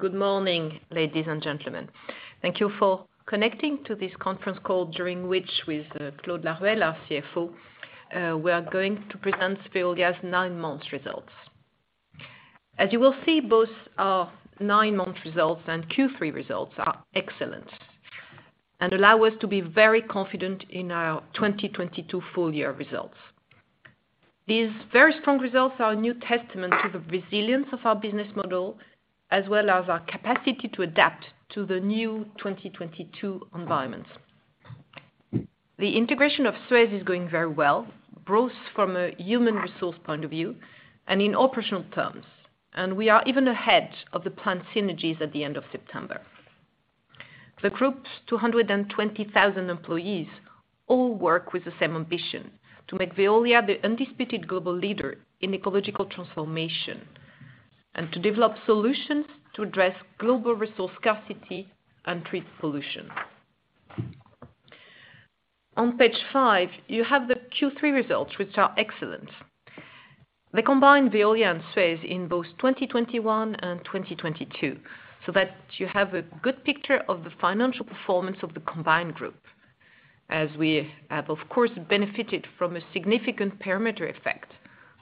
Good morning, ladies and gentlemen. Thank you for connecting to this conference call, during which, with Claude Laruelle, our CFO, we are going to present Veolia's nine-month results. As you will see, both our nine-month results and Q3 results are excellent and allow us to be very confident in our 2022 full year results. These very strong results are a new testament to the resilience of our business model, as well as our capacity to adapt to the new 2022 environment. The integration of SUEZ is going very well, both from a human resource point of view and in operational terms, and we are even ahead of the planned synergies at the end of September. The group's 220,000 employees all work with the same ambition: to make Veolia the undisputed global leader in ecological transformation and to develop solutions to address global resource scarcity and treat pollution. On Page 5, you have the Q3 results, which are excellent. They combine Veolia and SUEZ in both 2021 and 2022, so that you have a good picture of the financial performance of the combined group, as we have, of course, benefited from a significant parameter effect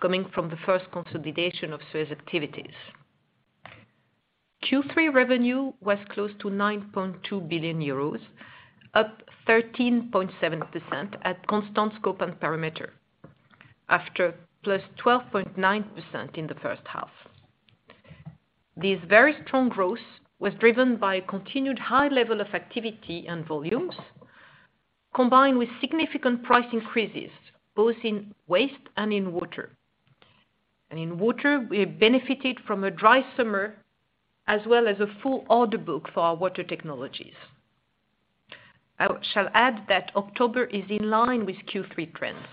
coming from the first consolidation of SUEZ activities. Q3 revenue was close to 9.2 billion euros, up 13.7% at constant scope and parameter, after +12.9% in the first half. This very strong growth was driven by continued high level of activity and volumes, combined with significant price increases, both in waste and in water. In water, we benefited from a dry summer, as well as a full order book for our water technologies. I shall add that October is in line with Q3 trends.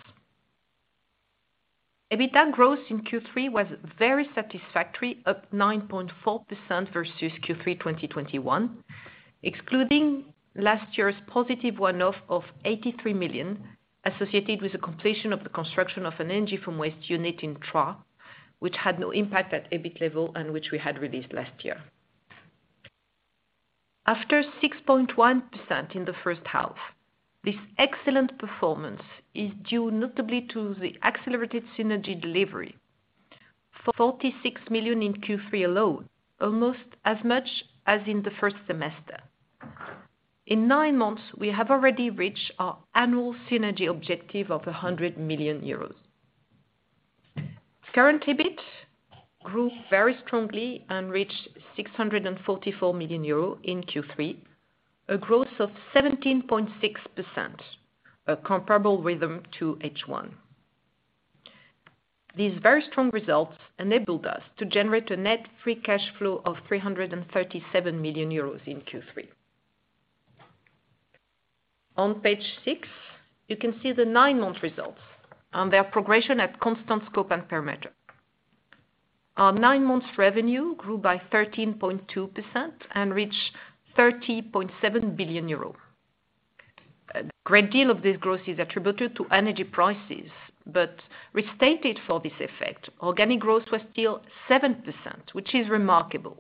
EBITDA growth in Q3 was very satisfactory, up 9.4% versus Q3 2021, excluding last year's positive one-off of 83 million associated with the completion of the construction of an energy from waste unit in Troyes, which had no impact at EBIT level and which we had released last year. After 6.1% in the first half, this excellent performance is due notably to the accelerated synergy delivery, 46 million in Q3 alone, almost as much as in the first semester. In nine months, we have already reached our annual synergy objective of 100 million euros. Current EBIT grew very strongly and reached 644 million euro in Q3, a growth of 17.6%, a comparable rhythm to H1. These very strong results enabled us to generate a net free cash flow of 337 million euros in Q3. On Page 6, you can see the nine-month results and their progression at constant scope and parameter. Our nine months revenue grew by 13.2% and reached 30.7 billion euro. A great deal of this growth is attributed to energy prices, but restated for this effect, organic growth was still 7%, which is remarkable,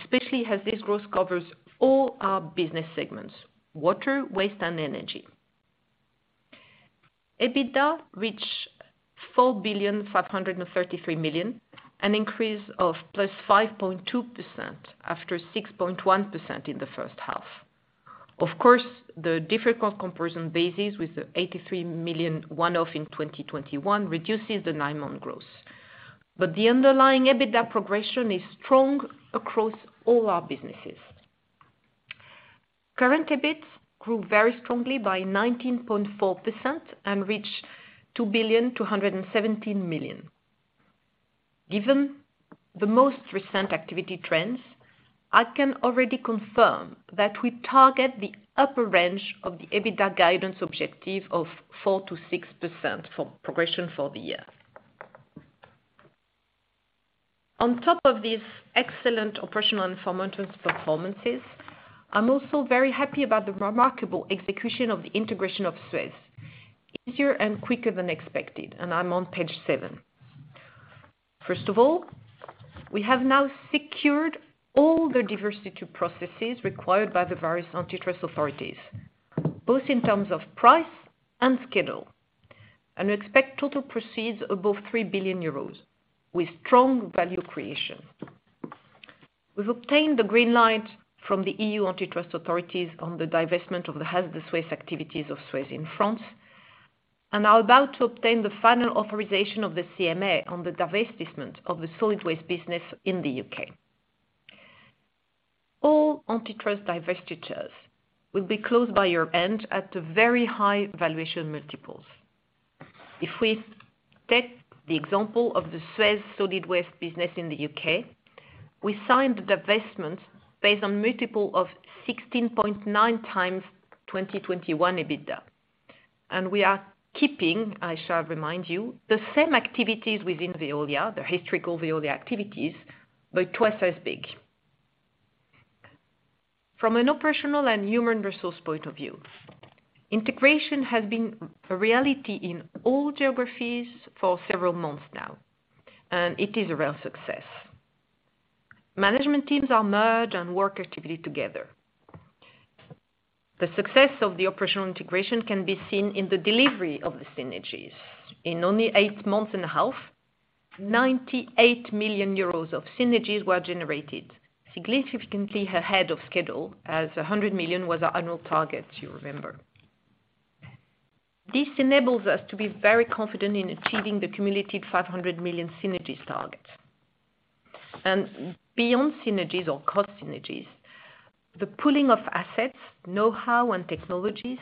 especially as this growth covers all our business segments, water, waste, and energy. EBITDA reached 4.533 billion, an increase of +5.2% after 6.1% in the first half. Of course, the difficult comparison basis with the 83 million one-off in 2021 reduces the nine-month growth. The underlying EBITDA progression is strong across all our businesses. Current EBIT grew very strongly by 19.4% and reached 2.217 billion. Given the most recent activity trends, I can already confirm that we target the upper range of the EBITDA guidance objective of 4%-6% for progression for the year. On top of these excellent operational and financial performances, I'm also very happy about the remarkable execution of the integration of SUEZ, easier and quicker than expected. I'm on Page 7. First of all, we have now secured all the divestiture processes required by the various antitrust authorities, both in terms of price and schedule, and expect total proceeds above 3 billion euros with strong value creation. We've obtained the green light from the EU antitrust authorities on the divestment of the hazardous waste activities of SUEZ in France, and are about to obtain the final authorization of the CMA on the divestment of the solid waste business in the U.K. All antitrust divestitures will be closed by year-end at the very high valuation multiples. If we take the example of the SUEZ solid waste business in the U.K., we signed the divestment based on multiple of 16.9 times 2021 EBITDA. We are keeping, I shall remind you, the same activities within Veolia, the historical Veolia activities, but twice as big. From an operational and human resource point of view, integration has been a reality in all geographies for several months now, and it is a real success. Management teams are merged and work actively together. The success of the operational integration can be seen in the delivery of the synergies. In only eight months and a half, 98 million euros of synergies were generated, significantly ahead of schedule, as 100 million was our annual target, you remember. This enables us to be very confident in achieving the cumulative 500 million synergies target. Beyond synergies or cost synergies, the pooling of assets, know-how, and technologies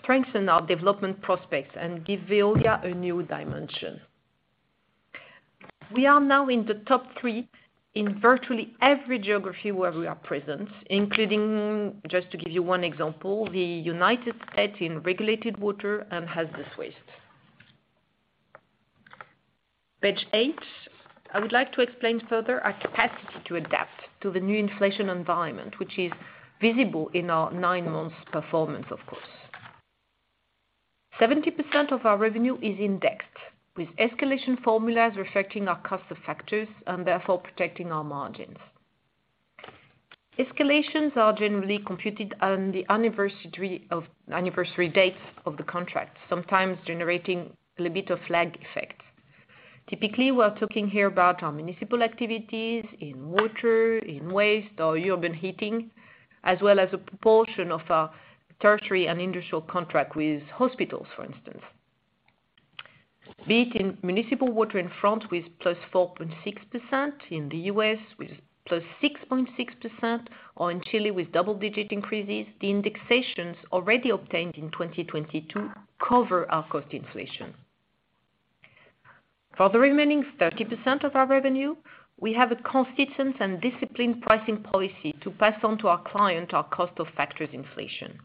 strengthen our development prospects and give Veolia a new dimension. We are now in the top three in virtually every geography where we are present, including, just to give you one example, the United States in regulated water and hazardous waste. Page 8. I would like to explain further our capacity to adapt to the new inflation environment, which is visible in our nine months performance, of course. 70% of our revenue is indexed, with escalation formulas reflecting our cost of factors and therefore protecting our margins. Escalations are generally computed on the anniversary dates of the contract, sometimes generating a little bit of lag effect. Typically, we're talking here about our municipal activities in water, in waste, or urban heating, as well as a proportion of our territory and industrial contract with hospitals, for instance. Be it in municipal water in France with +4.6%, in the U.S. with +6.6%, or in Chile with double-digit increases, the indexations already obtained in 2022 cover our cost inflation. For the remaining 30% of our revenue, we have a consistent and disciplined pricing policy to pass on to our client our cost of factors inflation.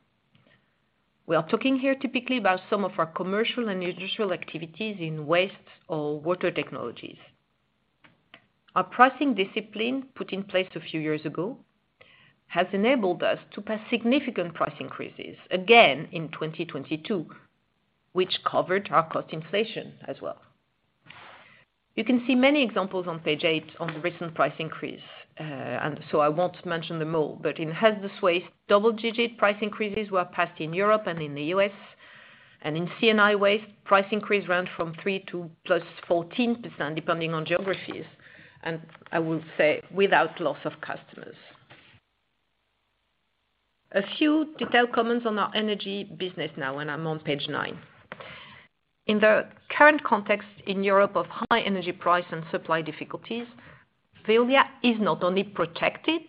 We are talking here typically about some of our commercial and industrial activities in waste or water technologies. Our pricing discipline, put in place a few years ago, has enabled us to pass significant price increases, again in 2022, which covered our cost inflation as well. You can see many examples on Page 8 on the recent price increase, and so I won't mention them all. In hazardous waste, double-digit price increases were passed in Europe and in the U.S. In C&I waste, price increases range from 3% to +14%, depending on geographies, and I will say without loss of customers. A few detailed comments on our energy business now, and I'm on Page 9. In the current context in Europe of high energy price and supply difficulties, Veolia is not only protected,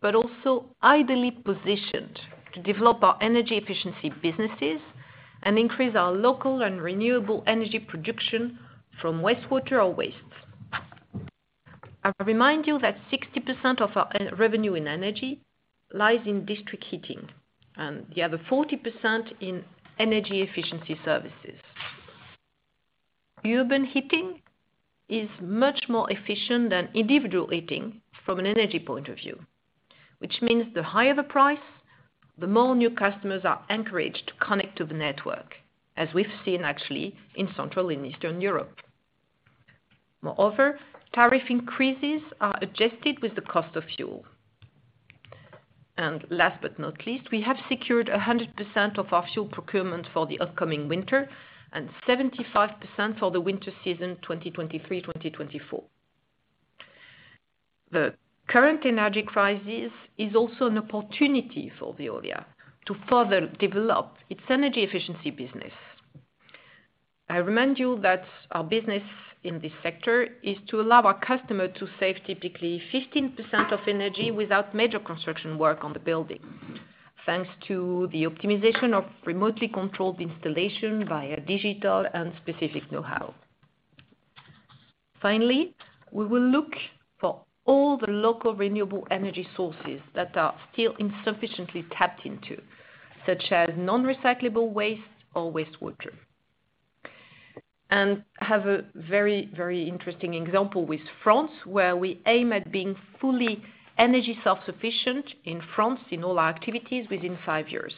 but also ideally positioned to develop our energy efficiency businesses and increase our local and renewable energy production from wastewater or waste. I remind you that 60% of our revenue in energy lies in district heating, and the other 40% in energy efficiency services. Urban heating is much more efficient than individual heating from an energy point of view, which means the higher the price, the more new customers are encouraged to connect to the network, as we've seen actually in Central and Eastern Europe. Moreover, tariff increases are adjusted with the cost of fuel. Last but not least, we have secured 100% of our fuel procurement for the upcoming winter and 75% for the winter season 2023/2024. The current energy crisis is also an opportunity for Veolia to further develop its energy efficiency business. I remind you that our business in this sector is to allow our customer to save typically 15% of energy without major construction work on the building, thanks to the optimization of remotely controlled installation via digital and specific know-how. Finally, we will look for all the local renewable energy sources that are still insufficiently tapped into, such as non-recyclable waste or wastewater. We have a very, very interesting example with France, where we aim at being fully energy self-sufficient in France in all our activities within five years.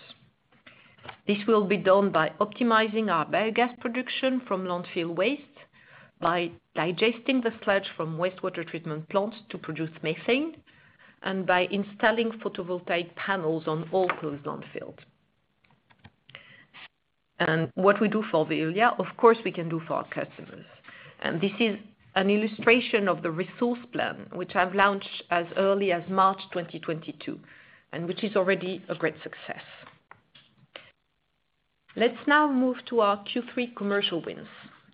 This will be done by optimizing our biogas production from landfill waste, by digesting the sludge from wastewater treatment plants to produce methane, and by installing photovoltaic panels on all closed landfills. What we do for Veolia, of course we can do for our customers. This is an illustration of the resource plan, which I've launched as early as March 2022, and which is already a great success. Let's now move to our Q3 commercial wins,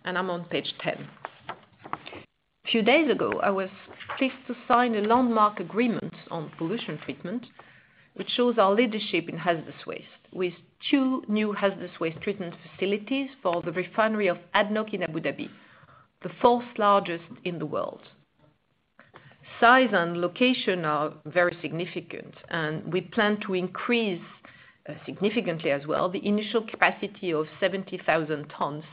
and I'm on Page 10. A few days ago, I was pleased to sign a landmark agreement on pollution treatment, which shows our leadership in hazardous waste, with two new hazardous waste treatment facilities for the refinery of ADNOC in Abu Dhabi, the fourth largest in the world. Size and location are very significant, and we plan to increase significantly as well, the initial capacity of 70,000 tons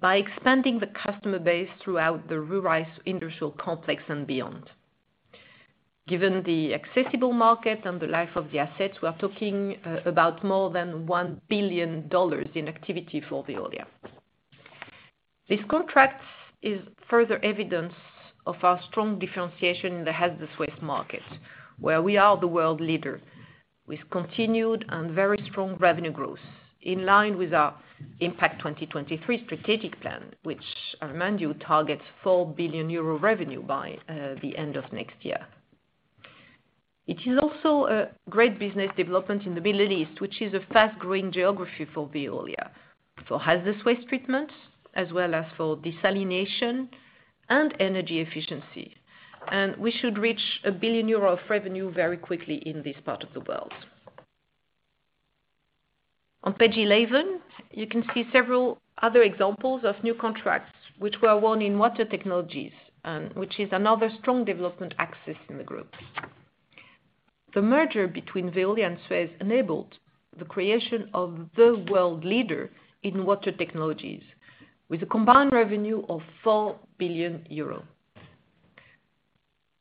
by expanding the customer base throughout the Ruwais industrial complex and beyond. Given the accessible market and the life of the assets, we are talking about more than $1 billion in activity for Veolia. This contract is further evidence of our strong differentiation in the hazardous waste market, where we are the world leader with continued and very strong revenue growth in line with our Impact 2023 strategic plan, which I remind you targets 4 billion euro revenue by the end of next year. It is also a great business development in the Middle East, which is a fast-growing geography for Veolia, for hazardous waste treatment as well as for desalination and energy efficiency. We should reach 1 billion euro of revenue very quickly in this part of the world. On Page 11, you can see several other examples of new contracts which were won in water technologies, which is another strong development axis in the group. The merger between Veolia and Suez enabled the creation of the world leader in water technologies with a combined revenue of 4 billion euros.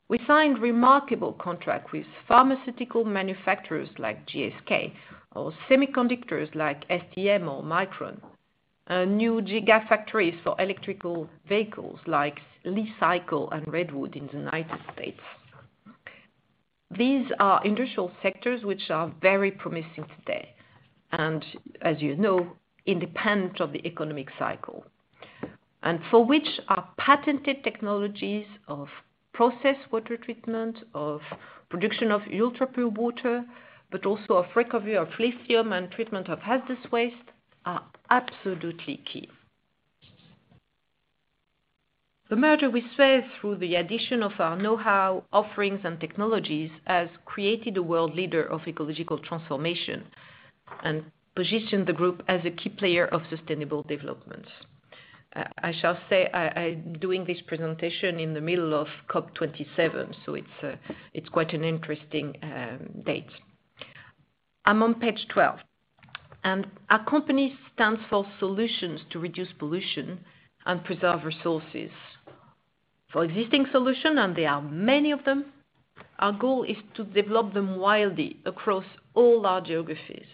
We signed remarkable contract with pharmaceutical manufacturers like GSK or semiconductors like STM or Micron, new gigafactories for electric vehicles like Li-Cycle and Redwood in the United States. These are industrial sectors which are very promising today, and as you know, independent of the economic cycle, and for which our patented technologies of processed water treatment, of production of ultrapure water, but also of recovery of lithium and treatment of hazardous waste are absolutely key. The merger with Suez through the addition of our know-how, offerings, and technologies, has created a world leader of ecological transformation and position the group as a key player of sustainable development. I shall say I'm doing this presentation in the middle of COP27, so it's quite an interesting date. I'm on Page 12. Our company stands for solutions to reduce pollution and preserve resources. For existing solution, and there are many of them, our goal is to develop them widely across all our geographies.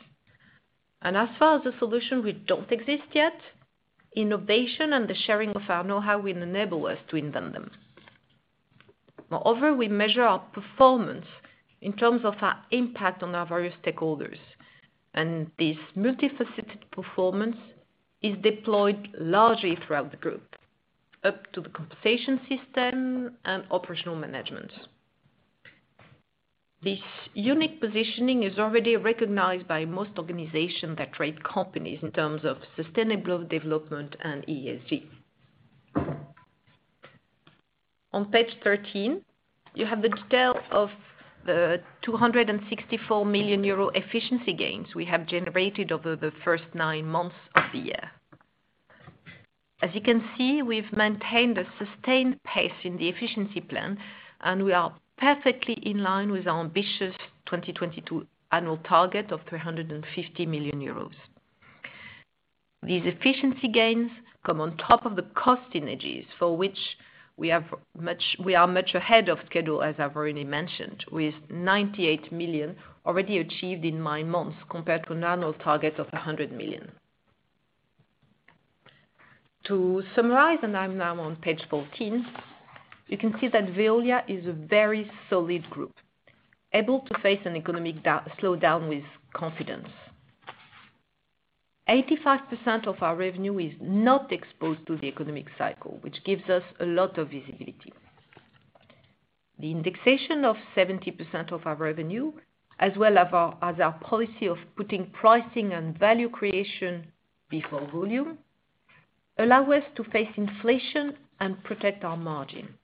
As far as the solution which don't exist yet, innovation and the sharing of our know-how will enable us to invent them. Moreover, we measure our performance in terms of our impact on our various stakeholders, and this multifaceted performance is deployed largely throughout the group, up to the compensation system and operational management. This unique positioning is already recognized by most organizations that rate companies in terms of sustainable development and ESG. On Page 13, you have the detail of the 264 million euro efficiency gains we have generated over the first nine months of the year. As you can see, we've maintained a sustained pace in the efficiency plan, and we are perfectly in line with our ambitious 2022 annual target of 350 million euros. These efficiency gains come on top of the cost synergies for which we are much ahead of schedule, as I've already mentioned, with 98 million already achieved in nine months compared to an annual target of 100 million. To summarize, I'm now on Page 14, you can see that Veolia is a very solid group, able to face an economic slowdown with confidence. 85% of our revenue is not exposed to the economic cycle, which gives us a lot of visibility. The indexation of 70% of our revenue, as well as our policy of putting pricing and value creation before volume, allow us to face inflation and protect our margin.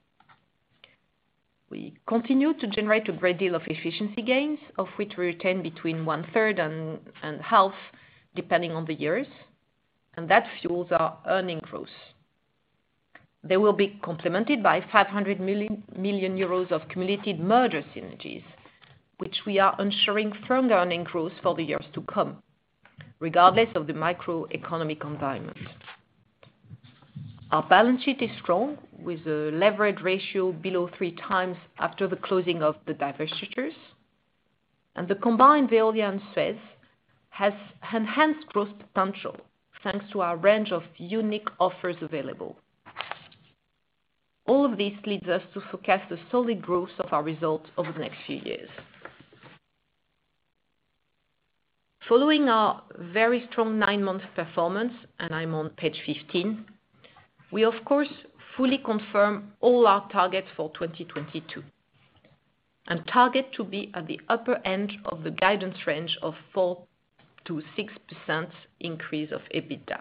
We continue to generate a great deal of efficiency gains, of which we retain between 30% and 50%, depending on the years, and that fuels our earnings growth. They will be complemented by 500 million euros of cumulative merger synergies, which we are ensuring further earnings growth for the years to come, regardless of the macroeconomic environment. Our balance sheet is strong, with a leverage ratio below 3x after the closing of the divestitures. The combined Veolia and Suez has enhanced growth potential, thanks to our range of unique offers available. All of this leads us to forecast a solid growth of our results over the next few years. Following our very strong nine-month performance, and I'm on Page 15, we of course fully confirm all our targets for 2022 and target to be at the upper end of the guidance range of 4%-6% increase of EBITDA.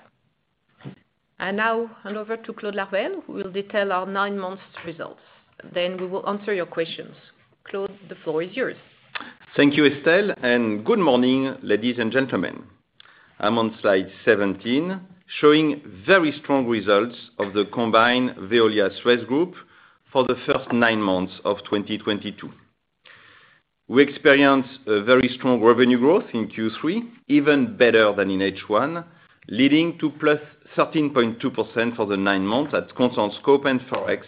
Now hand over to Claude Laruelle, who will detail our nine-month results. We will answer your questions. Claude, the floor is yours. Thank you, Estelle, and good morning, ladies and gentlemen. I'm on Slide 17, showing very strong results of the combined Veolia Suez group for the first nine months of 2022. We experienced a very strong revenue growth in Q3, even better than in H1, leading to +13.2% for the nine months at constant scope and Forex,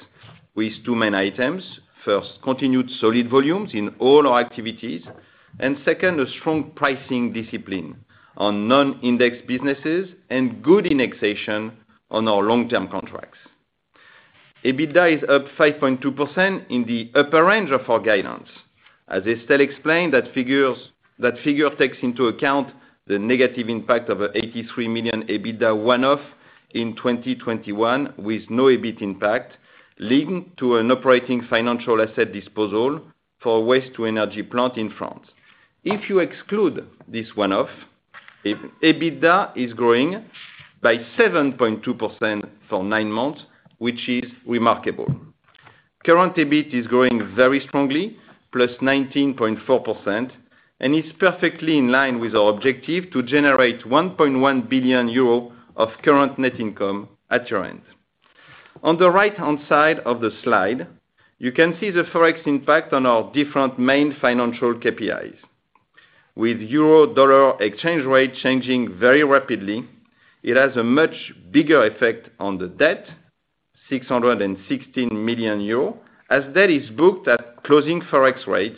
with two main items. First, continued solid volumes in all our activities, and second, a strong pricing discipline on non-indexed businesses and good indexation on our long-term contracts. EBITDA is up 5.2% in the upper range of our guidance. As Estelle explained, that figure takes into account the negative impact of a 83 million EBITDA one-off in 2021, with no EBIT impact, leading to an operating financial asset disposal for waste-to-energy plant in France. If you exclude this one-off, EBITDA is growing by 7.2% for nine months, which is remarkable. Current EBIT is growing very strongly, +19.4%, and is perfectly in line with our objective to generate 1.1 billion euro of current net income at year-end. On the right-hand side of the slide, you can see the Forex impact on our different main financial KPIs. With euro-dollar exchange rate changing very rapidly, it has a much bigger effect on the debt, 616 million euros, as that is booked at closing Forex rates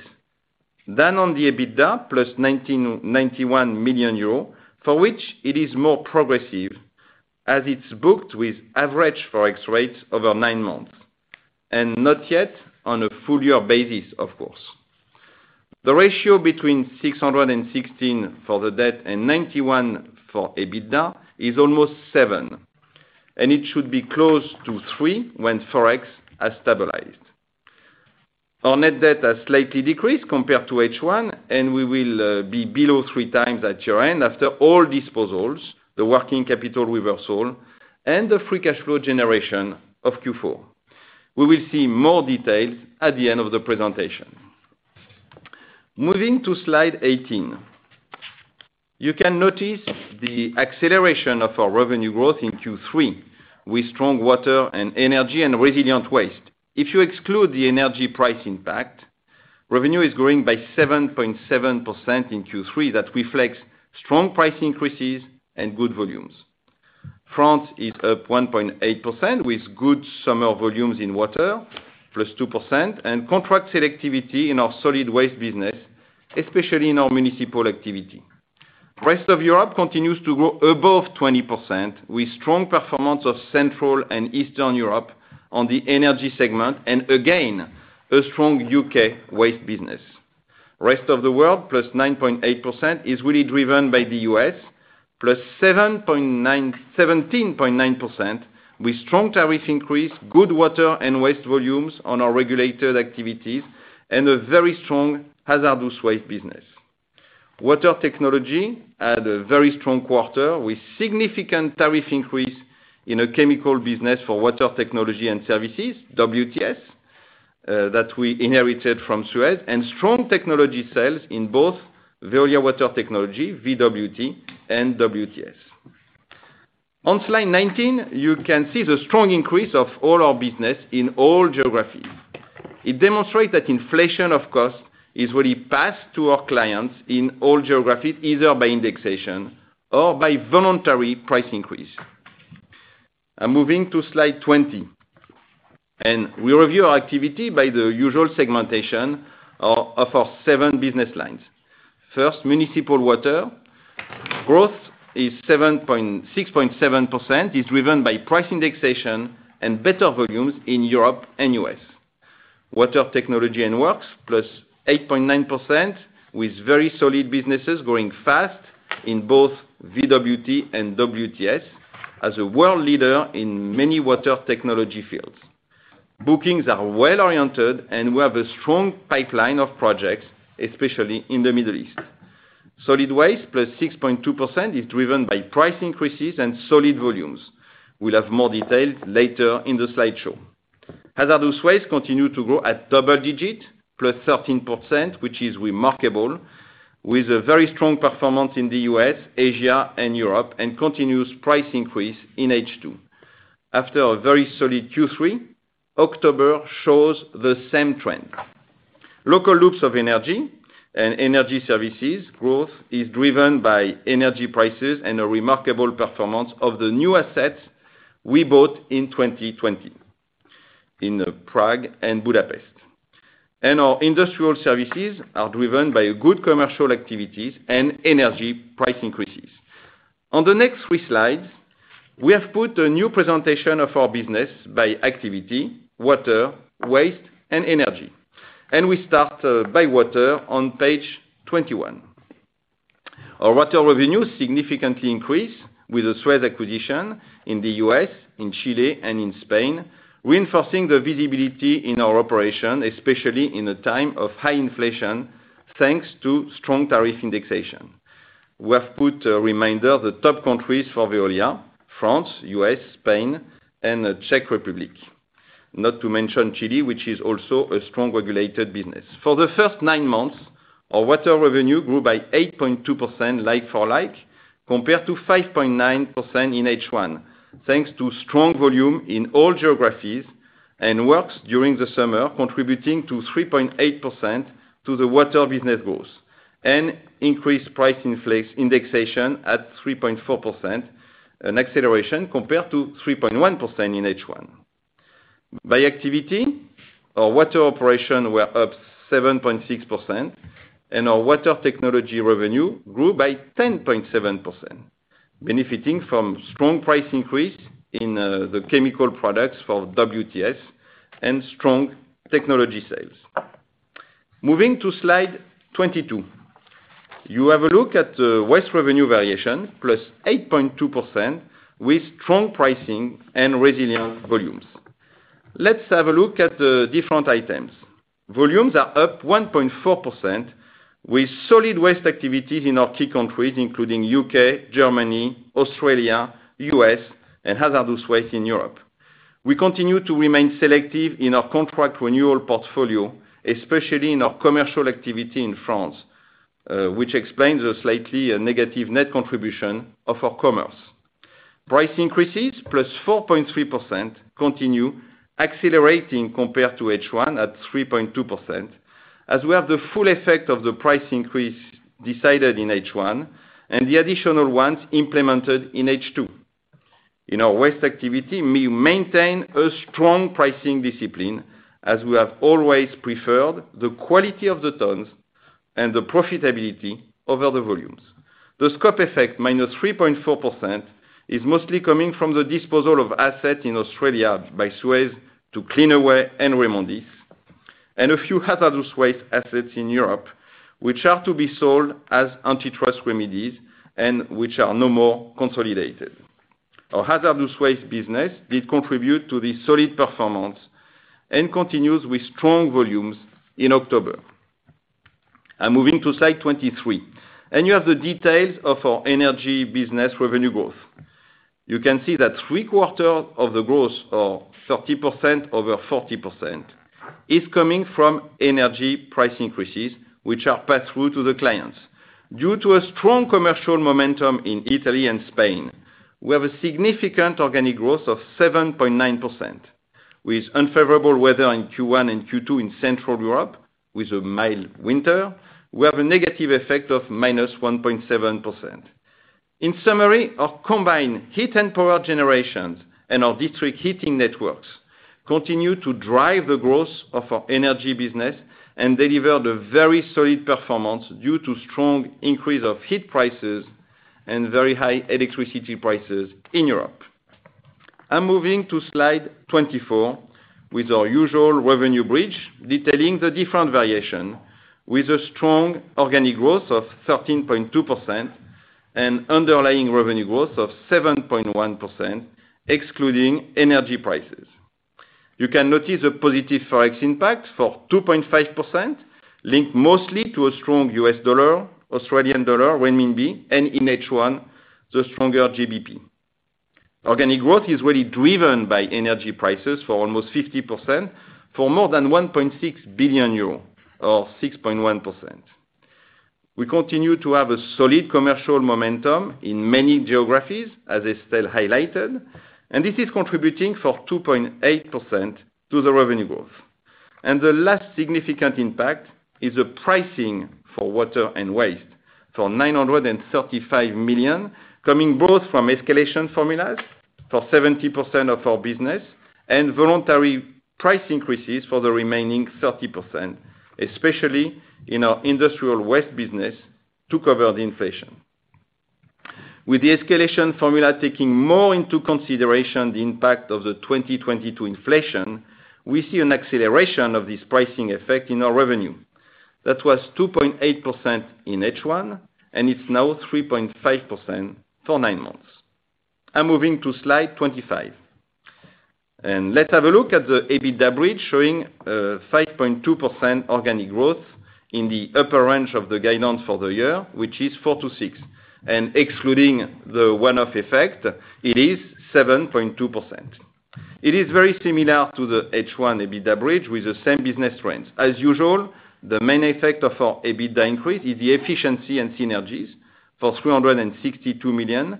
than on the EBITDA, +91 million euros, for which it is more progressive, as it's booked with average Forex rates over nine months, and not yet on a full year basis, of course. The ratio between 616 for the debt and 91 for EBITDA is almost 7, and it should be close to 3 when Forex has stabilized. Our net debt has slightly decreased compared to H1, and we will be below 3x at year-end after all disposals, the working capital reversal, and the free cash flow generation of Q4. We will see more details at the end of the presentation. Moving to Slide 18. You can notice the acceleration of our revenue growth in Q3 with strong water and energy and resilient waste. If you exclude the energy price impact, revenue is growing by 7.7% in Q3. That reflects strong price increases and good volumes. France is up 1.8%, with good summer volumes in water, +2%, and contract selectivity in our solid waste business, especially in our municipal activity. Rest of Europe continues to grow above 20%, with strong performance of Central and Eastern Europe on the energy segment and, again, a strong U.K. waste business. Rest of the world, plus 9.8%, is really driven by the U.S., +17.9%, with strong tariff increase, good water and waste volumes on our regulated activities, and a very strong hazardous waste business. Water technology had a very strong quarter, with significant tariff increase in the chemical business for water technology and services, WTS, that we inherited from Suez, and strong technology sales in both Veolia Water Technologies, VWT, and WTS. On Slide 19, you can see the strong increase of all our business in all geographies. It demonstrate that inflation of cost is really passed to our clients in all geographies, either by indexation or by voluntary price increase. I'm moving to Slide 20, and we review our activity by the usual segmentation of our seven business lines. First, municipal water growth is 6.7.% is driven by price indexation and better volumes in Europe and U.S. Water technology and works, +8.9%, with very solid businesses growing fast in both VWT and WTS as a world leader in many water technology fields. Bookings are well-oriented, and we have a strong pipeline of projects, especially in the Middle East. Solid waste, +6.2%, is driven by price increases and solid volumes. We'll have more details later in the slideshow. Hazardous waste continue to grow at double digit, +13%, which is remarkable, with a very strong performance in the U.S., Asia, and Europe, and continuous price increase in H2. After a very solid Q3, October shows the same trend. Local loops of energy and energy services growth is driven by energy prices and a remarkable performance of the new assets we bought in 2020 in Prague and Budapest. Our industrial services are driven by a good commercial activities and energy price increases. On the next three slides, we have put a new presentation of our business by activity, Water, Waste, and Energy. We start by water on Page 21. Our Water revenue significantly increased with the Suez acquisition in the U.S., in Chile, and in Spain, reinforcing the visibility in our operation, especially in a time of high inflation, thanks to strong tariff indexation. We have put a reminder of the top countries for Veolia, France, U.S., Spain, and the Czech Republic. Not to mention Chile, which is also a strong regulated business. For the first nine months, our water revenue grew by 8.2% like for like, compared to 5.9% in H1, thanks to strong volume in all geographies and works during the summer, contributing 3.8% to the water business growth and increased price indexation at 3.4%, an acceleration compared to 3.1% in H1. By activity, our water operations were up 7.6% and our water technology revenue grew by 10.7%, benefiting from strong price increase in the chemical products for WTS and strong technology sales. Moving to Slide 22. You have a look at the waste revenue variation, +8.2% with strong pricing and resilient volumes. Let's have a look at the different items. Volumes are up 1.4% with solid waste activities in our key countries, including U.K., Germany, Australia, U.S., and hazardous waste in Europe. We continue to remain selective in our contract renewal portfolio, especially in our commercial activity in France, which explains the slightly negative net contribution of our commerce. Price increases +4.3% continue accelerating compared to H1 at 3.2%, as we have the full effect of the price increase decided in H1 and the additional ones implemented in H2. In our waste activity, we maintain a strong pricing discipline, as we have always preferred the quality of the tons and the profitability over the volumes. The scope effect, -3.4%, is mostly coming from the disposal of assets in Australia by SUEZ to Cleanaway and Remondis, and a few hazardous waste assets in Europe, which are to be sold as antitrust remedies and which are no more consolidated. Our hazardous waste business did contribute to the solid performance and continues with strong volumes in October. I'm moving to Slide 23, and you have the details of our energy business revenue growth. You can see that three-quarters of the growth, or 30% over 40%, is coming from energy price increases, which are passed through to the clients. Due to a strong commercial momentum in Italy and Spain, we have a significant organic growth of 7.9%. With unfavorable weather in Q1 and Q2 in Central Europe, with a mild winter, we have a negative effect of -1.7%. In summary, our combined heat and power generations and our district heating networks continue to drive the growth of our energy business and delivered a very solid performance due to strong increase of heat prices and very high electricity prices in Europe. I'm moving to Slide 24 with our usual revenue bridge detailing the different variation with a strong organic growth of 13.2% and underlying revenue growth of 7.1% excluding energy prices. You can notice a positive Forex impact for 2.5% linked mostly to a strong U.S. Dollar, Australian dollar, renminbi, and in H1, the stronger GBP. Organic growth is really driven by energy prices for almost 50% for more than 1.6 billion euros or 6.1%. We continue to have a solid commercial momentum in many geographies, as Estelle highlighted, and this is contributing for 2.8% to the revenue growth. The last significant impact is the pricing for Water and Waste for 935 million, coming both from escalation formulas for 70% of our business and voluntary price increases for the remaining 30%, especially in our industrial waste business to cover the inflation. With the escalation formula taking more into consideration the impact of the 2022 inflation, we see an acceleration of this pricing effect in our revenue. That was 2.8% in H1, and it's now 3.5% for nine months. I'm moving to Slide 25. Let's have a look at the EBITDA bridge showing 5.2% organic growth in the upper range of the guidance for the year, which is 4%-6%. Excluding the one-off effect, it is 7.2%. It is very similar to the H1 EBITDA bridge with the same business trends. As usual, the main effect of our EBITDA increase is the efficiency and synergies for 362 million,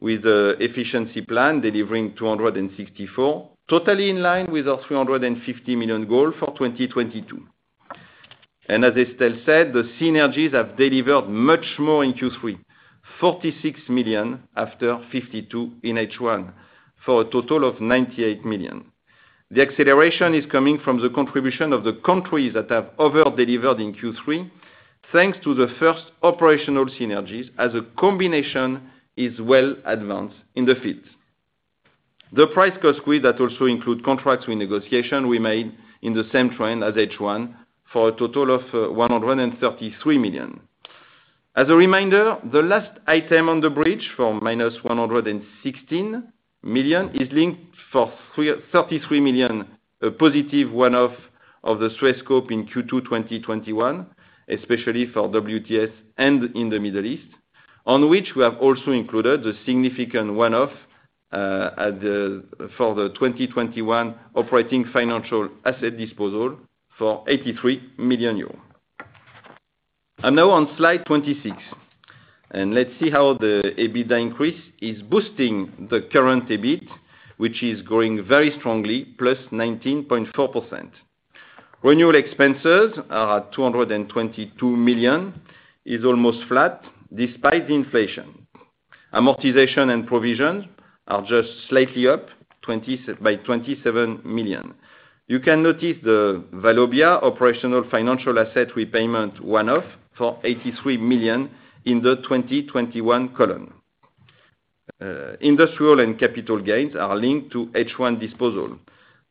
with efficiency plan delivering 264 million, totally in line with our 350 million goal for 2022. As Estelle said, the synergies have delivered much more in Q3, 46 million after 52 million in H1, for a total of 98 million. The acceleration is coming from the contribution of the countries that have over-delivered in Q3 thanks to the first operational synergies as the combination is well advanced in the field. The price-cost gap that also includes contract negotiations we made in the same trend as H1 for a total of 133 million. As a reminder, the last item on the bridge for -116 million is linked for 33 million, a positive one-off of the Suez scope in Q2 2021, especially for WTS and in the Middle East. On which we have also included the significant one-off at the for the 2021 operating financial asset disposal for 83 million euros. Now on Slide 26, let's see how the EBITDA increase is boosting the current EBIT, which is growing very strongly, +19.4%. Renewal expenses are at 222 million, is almost flat despite the inflation. Amortization and provision are just slightly up by 27 million. You can notice the Veolia operational financial asset repayment one-off for 83 million in the 2021 column. Industrial and capital gains are linked to H1 disposal.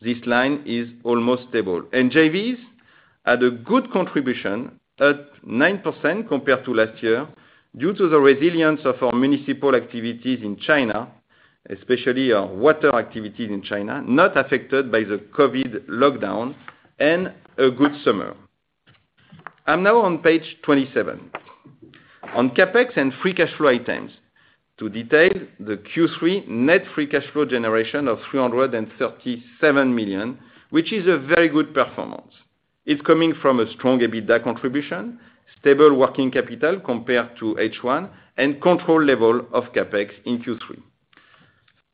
This line is almost stable. JVs had a good contribution at 9% compared to last year due to the resilience of our municipal activities in China, especially our water activities in China, not affected by the COVID lockdown and a good summer. I'm now Pn page 27. On CapEx and free cash flow items. To detail the Q3 net free cash flow generation of 337 million, which is a very good performance. It's coming from a strong EBITDA contribution, stable working capital compared to H1, and control level of CapEx in Q3.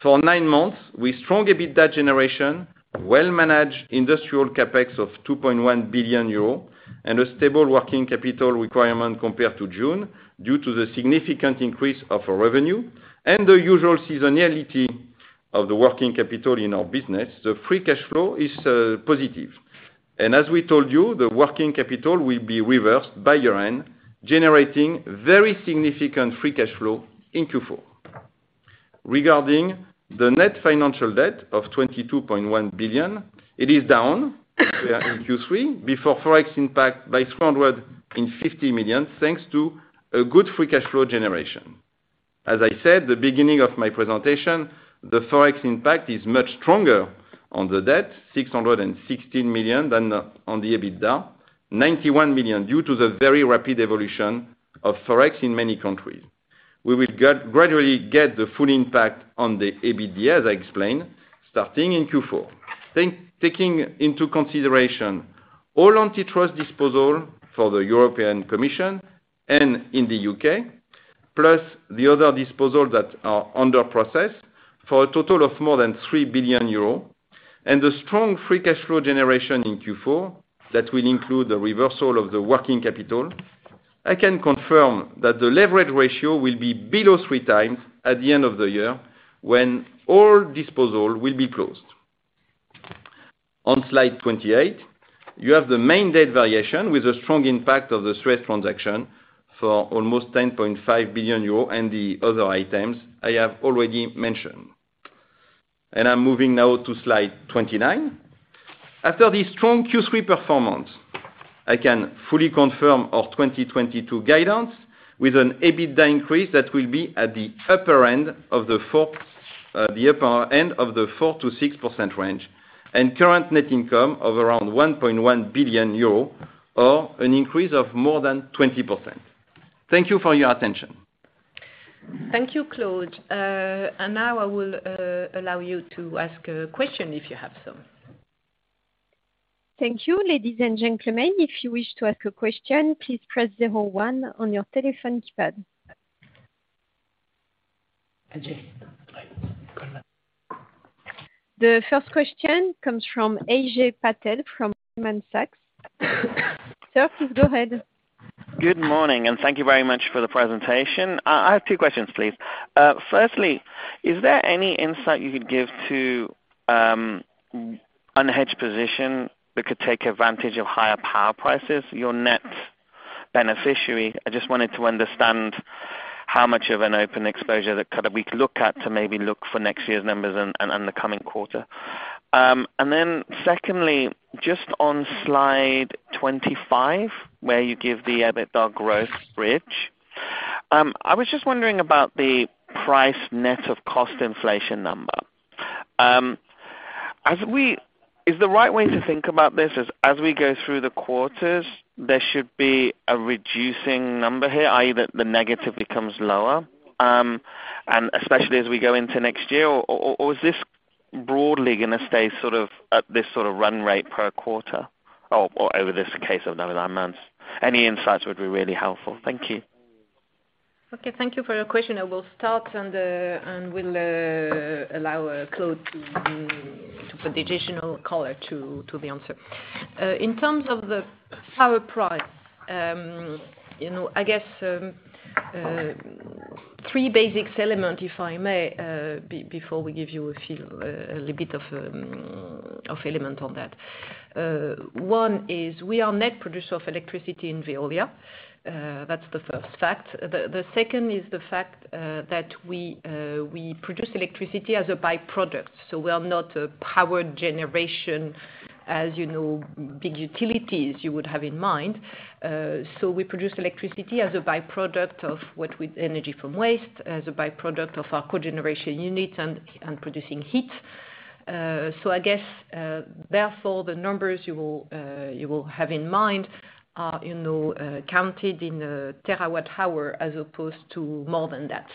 For nine months, with strong EBITDA generation, well-managed industrial CapEx of 2.1 billion euro, and a stable working capital requirement compared to June due to the significant increase of our revenue and the usual seasonality of the working capital in our business, the free cash flow is positive. As we told you, the working capital will be reversed by year-end, generating very significant free cash flow in Q4. Regarding the net financial debt of 22.1 billion, it is down in Q3 before Forex impact by 350 million, thanks to a good free cash flow generation. As I said at the beginning of my presentation, the Forex impact is much stronger on the debt, 616 million than on the EBITDA, 91 million due to the very rapid evolution of Forex in many countries. We will gradually get the full impact on the EBITDA, as I explained, starting in Q4. Taking into consideration all antitrust disposals for the European Commission and in the U.K., plus the other disposals that are in process for a total of more than 3 billion euros and the strong free cash flow generation in Q4 that will include the reversal of the working capital, I can confirm that the leverage ratio will be below three times at the end of the year when all disposals will be closed. On Slide 28, you have the main debt variation with a strong impact of the Suez transaction for almost 10.5 billion euros and the other items I have already mentioned. I'm moving now to Slide 29. After this strong Q3 performance, I can fully confirm our 2022 guidance with an EBITDA increase that will be at the upper end of the 4%-6% range and current net income of around 1.1 billion euro or an increase of more than 20%. Thank you for your attention. Thank you, Claude. Now I will allow you to ask a question if you have some. Thank you, ladies and gentlemen. If you wish to ask a question, please press zero one on your telephone keypad. Ajay, go ahead. The first question comes from Ajay Patel from Goldman Sachs. Sir, please go ahead. Good morning, and thank you very much for the presentation. I have two questions, please. Firstly, is there any insight you could give to unhedged position that could take advantage of higher power prices, your net beneficiary? I just wanted to understand how much of an open exposure that kind of we could look at to maybe look for next year's numbers and the coming quarter. Second, just on Slide 25, where you give the EBITDA growth bridge, I was just wondering about the price net of cost inflation number. As we... Is the right way to think about this is as we go through the quarters, there should be a reducing number here, i.e., the negative becomes lower, and especially as we go into next year or is this broadly gonna stay sort of at this sort of run rate per quarter or over this case of 11 months? Any insights would be really helpful. Thank you. Okay. Thank you for your question. I will start and will allow Claude to put additional color to the answer. In terms of the power price, you know, I guess three basic elements, if I may, before we give you a few a little bit of element on that. One is we are net producer of electricity in Veolia. That's the first fact. The second is the fact that we produce electricity as a by-product, so we are not a power generation, as you know, big utilities you would have in mind. We produce electricity as a by-product of energy from waste, as a by-product of our cogeneration units and producing heat. I guess therefore the numbers you will have in mind are counted in a terawatt-hour as opposed to more than that.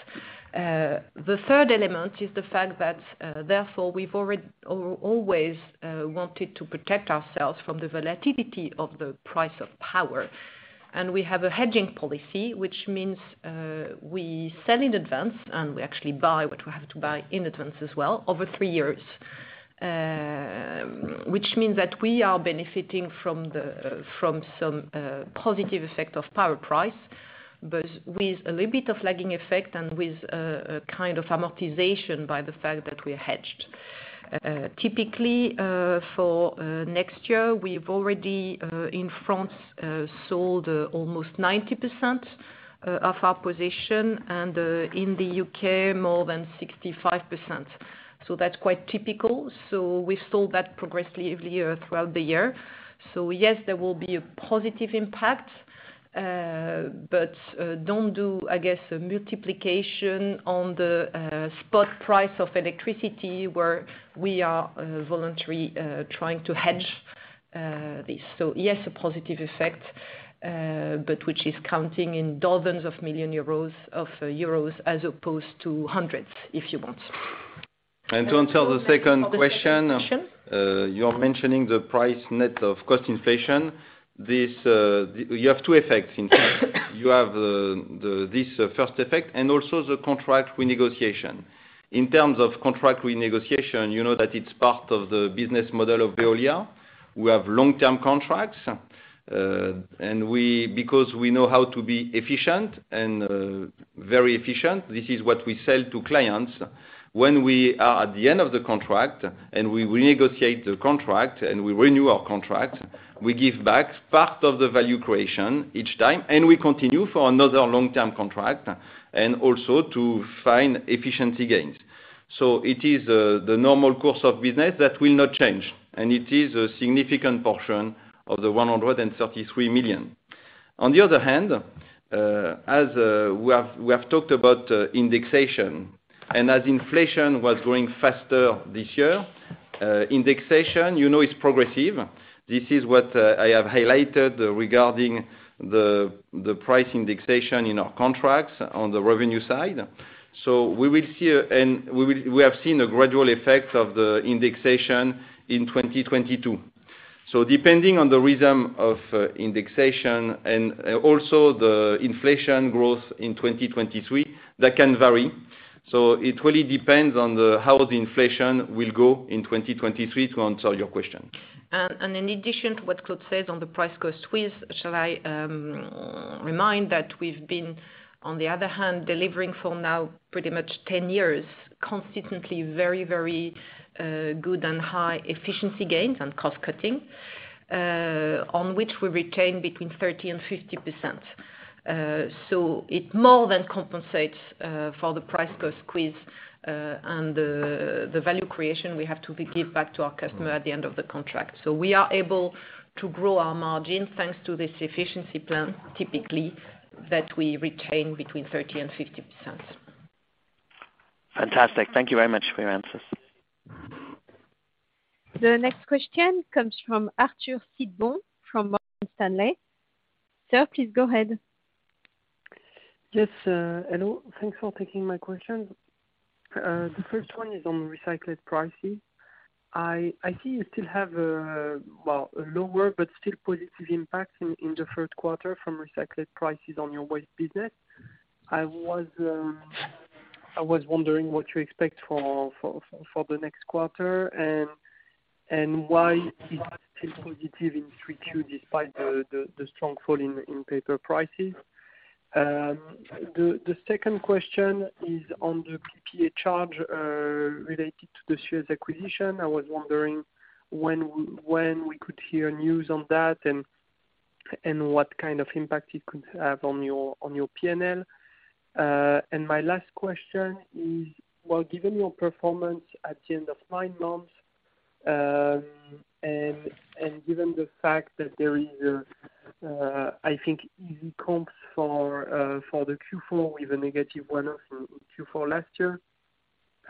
The third element is the fact that therefore we've already or always wanted to protect ourselves from the volatility of the price of power. We have a hedging policy, which means we sell in advance, and we actually buy what we have to buy in advance as well, over three years. Which means that we are benefiting from some positive effect of power price, but with a little bit of lagging effect and with a kind of amortization by the fact that we are hedged. Typically, for next year, we've already in France sold almost 90% of our position, and in the U.K., more than 65%. That's quite typical. We sold that progressively throughout the year. Yes, there will be a positive impact, but don't do, I guess, a multiplication on the spot price of electricity, where we are voluntarily trying to hedge this. Yes, a positive effect, but which is counting in dozens of millions Euros as opposed to hundreds of millions EUR, if you want. To answer the second question, you're mentioning the price net of cost inflation. This, you have two effects, in fact. You have this first effect and also the contract renegotiation. In terms of contract renegotiation, you know that it's part of the business model of Veolia. We have long-term contracts, and we, because we know how to be efficient and very efficient, this is what we sell to clients. When we are at the end of the contract, and we renegotiate the contract, and we renew our contract, we give back part of the value creation each time, and we continue for another long-term contract, and also to find efficiency gains. It is the normal course of business that will not change, and it is a significant portion of the 133 million. On the other hand, we have talked about indexation, and as inflation was growing faster this year, indexation, you know, it's progressive. This is what I have highlighted regarding the price indexation in our contracts on the revenue side. We have seen a gradual effect of the indexation in 2022. Depending on the rhythm of indexation and also the inflation growth in 2023, that can vary. It really depends on how the inflation will go in 2023 to answer your question. In addition to what Claude says on the price cost squeeze, shall I remind that we've been, on the other hand, delivering for now pretty much 10 years, consistently very good and high efficiency gains and cost-cutting, on which we retain between 30% and 50%. It more than compensates for the price cost squeeze, and the value creation we have to give back to our customer at the end of the contract. We are able to grow our margin, thanks to this efficiency plan, typically, that we retain between 30% and 50%. Fantastic. Thank you very much for your answers. The next question comes from Arthur Sitbon, from Morgan Stanley. Sir, please go ahead. Yes, hello. Thanks for taking my questions. The first one is on recycled prices. I see you still have, well, a lower but still positive impact in the third quarter from recycled prices on your waste business. I was wondering what you expect for the next quarter, and why it's still positive in Q3 despite the strong fall in paper prices. The second question is on the PPA charge related to the Suez acquisition. I was wondering when we could hear news on that and what kind of impact it could have on your P&L. My last question is, well, given your performance at the end of nine months, and given the fact that there is a, I think easy comps for the Q4 with a negative one-off Q4 last year,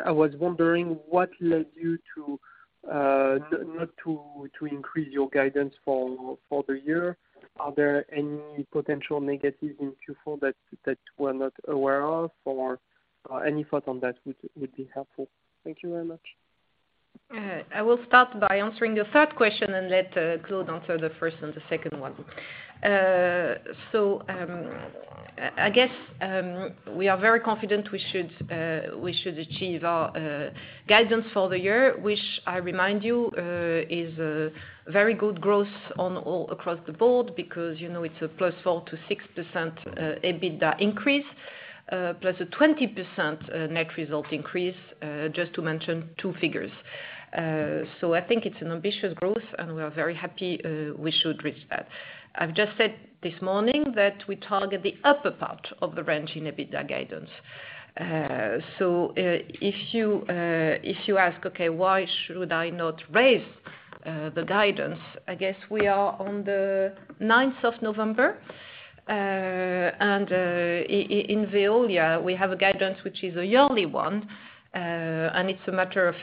I was wondering what led you to not to increase your guidance for the year. Are there any potential negatives in Q4 that we're not aware of? Or any thought on that would be helpful. Thank you very much. I will start by answering the third question and let Claude answer the first and the second one. I guess we are very confident we should achieve our guidance for the year, which I remind you is a very good growth on all across the board because, you know, it's a +4%-6% EBITDA increase, plus a 20% net result increase, just to mention two figures. I think it's an ambitious growth, and we are very happy we should reach that. I've just said this morning that we target the upper part of the range in EBITDA guidance. If you ask, okay, why should I not raise the guidance, I guess we are on the ninth of November. In Veolia, we have a guidance which is a yearly one. It's a matter